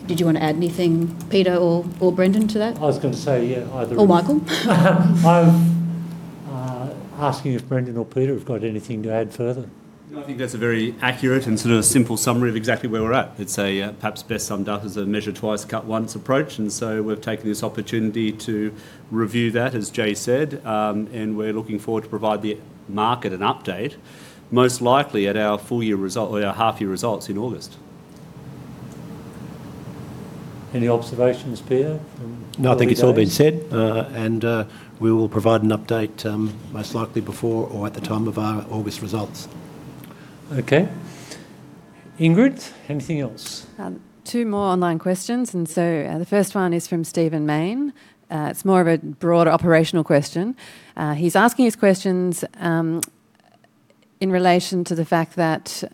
Did you want to add anything, Peter or Brendan, to that? I was going to say, yeah, either of you. Michael? I'm asking if Brendan or Peter have got anything to add further. No, I think that's a very accurate and sort of simple summary of exactly where we're at. It's perhaps best summed up as a measure twice, cut once approach, so we've taken this opportunity to review that, as Jaye said. We're looking forward to provide the market an update, most likely at our half-year results in August. Any observations, Peter, from all this? No, I think it's all been said. We will provide an update most likely before or at the time of our August results. Okay. Ingrid, anything else? Two more online questions, and so the first one is from Steven Main. It's more of a broader operational question. He's asking his questions in relation to the fact that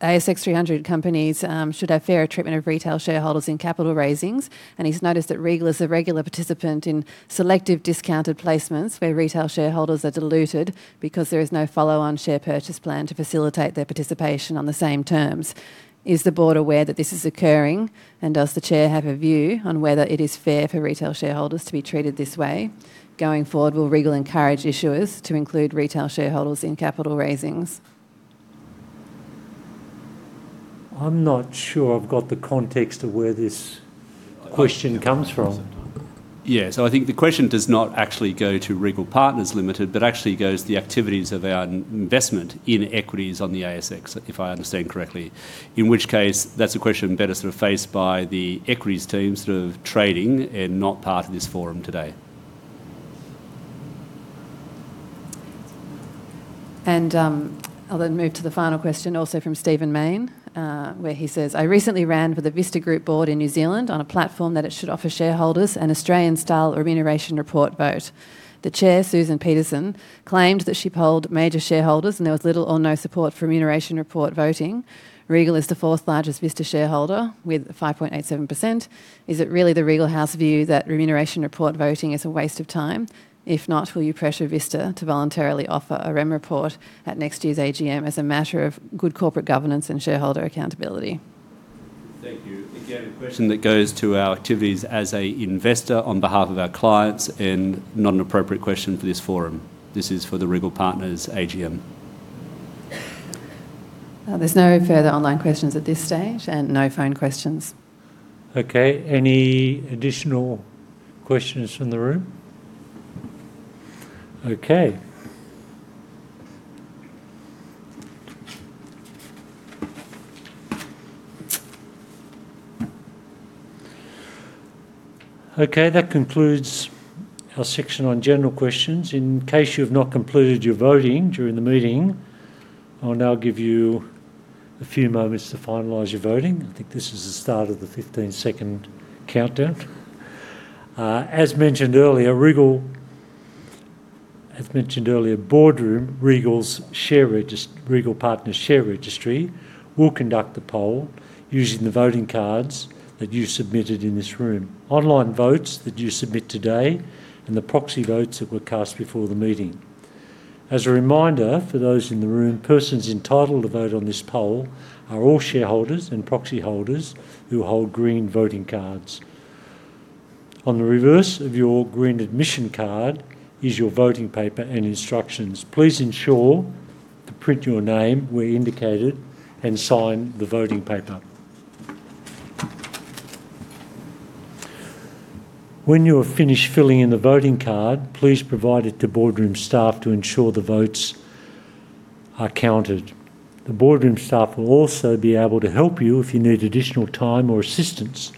ASX 300 companies should have fairer treatment of retail shareholders in capital raisings, and he's noticed that Regal is a regular participant in selective discounted placements where retail shareholders are diluted because there is no follow-on share purchase plan to facilitate their participation on the same terms. Is the board aware that this is occurring, and does the chair have a view on whether it is fair for retail shareholders to be treated this way? Going forward, will Regal encourage issuers to include retail shareholders in capital raisings? I'm not sure I've got the context of where this question comes from. I think the question does not actually go to Regal Partners Limited, but actually goes to the activities of our investment in equities on the ASX, if I understand correctly. That's a question better sort of faced by the equities team, sort of trading, and not part of this forum today. I'll then move to the final question, also from Steven Main, where he says, "I recently ran for the Vista Group board in New Zealand on a platform that it should offer shareholders an Australian-style remuneration report vote. The chair, Susan Peterson, claimed that she polled major shareholders, and there was little or no support for remuneration report voting. Regal is the fourth largest Vista shareholder with 5.87%. Is it really the Regal House view that remuneration report voting is a waste of time? If not, will you pressure Vista to voluntarily offer a rem report at next year's AGM as a matter of good corporate governance and shareholder accountability? Thank you. Again, a question that goes to our activities as an investor on behalf of our clients, and not an appropriate question for this forum. This is for the Regal Partners AGM. There's no further online questions at this stage, and no phone questions. Okay, any additional questions from the room? Okay. Okay, that concludes our section on general questions. In case you have not completed your voting during the meeting, I'll now give you a few moments to finalize your voting. I think this is the start of the 15-second countdown. As mentioned earlier, BoardRoom, Regal Partners' share registry, will conduct the poll using the voting cards that you submitted in this room, online votes that you submit today, and the proxy votes that were cast before the meeting. As a reminder for those in the room, persons entitled to vote on this poll are all shareholders and proxy holders who hold green voting cards. On the reverse of your green admission card is your voting paper and instructions. Please ensure to print your name where indicated and sign the voting paper. When you are finished filling in the voting card, please provide it to BoardRoom staff to ensure the votes are counted. The BoardRoom staff will also be able to help you if you need additional time or assistance,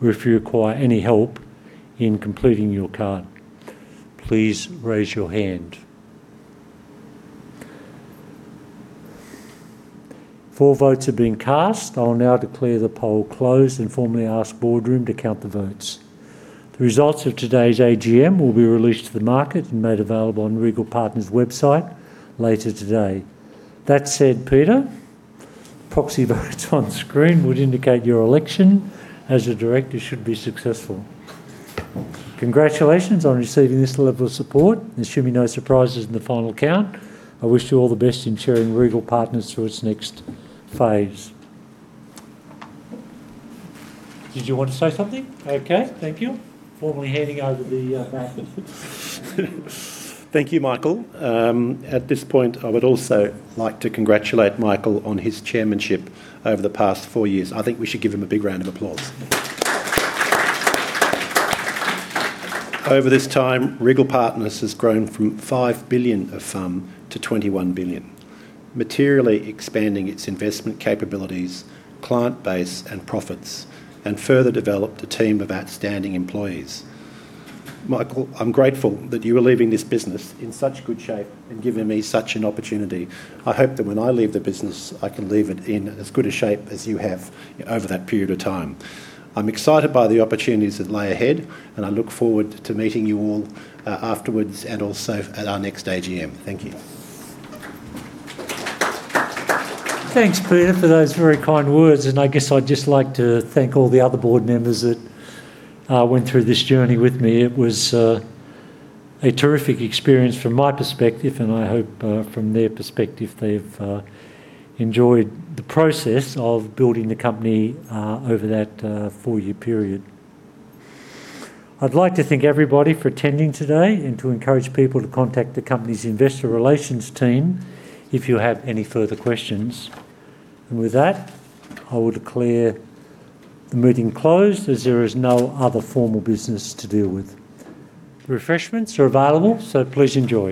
or if you require any help in completing your card. Please raise your hand. Four votes have been cast. I will now declare the poll closed and formally ask BoardRoom to count the votes. The results of today's AGM will be released to the market and made available on Regal Partners' website later today. That said, Peter, proxy votes on screen would indicate your election as a director should be successful. Congratulations on receiving this level of support. There should be no surprises in the final count. I wish you all the best in chairing Regal Partners through its next phase. Did you want to say something? Okay, thank you. Formally handing over the baton. Thank you, Michael. At this point, I would also like to congratulate Michael on his chairmanship over the past four years. I think we should give him a big round of applause. Over this time, Regal Partners has grown from 5 billion of FUM to 21 billion, materially expanding its investment capabilities, client base, and profits, and further developed a team of outstanding employees. Michael, I'm grateful that you are leaving this business in such good shape and giving me such an opportunity. I hope that when I leave the business, I can leave it in as good a shape as you have over that period of time. I'm excited by the opportunities that lie ahead, and I look forward to meeting you all afterwards and also at our next AGM. Thank you. Thanks, Peter, for those very kind words. I guess I'd just like to thank all the other board members that went through this journey with me. It was a terrific experience from my perspective. I hope from their perspective they've enjoyed the process of building the company, over that four-year period. I'd like to thank everybody for attending today. To encourage people to contact the company's investor relations team if you have any further questions. With that, I will declare the meeting closed, as there is no other formal business to deal with. Refreshments are available. Please enjoy.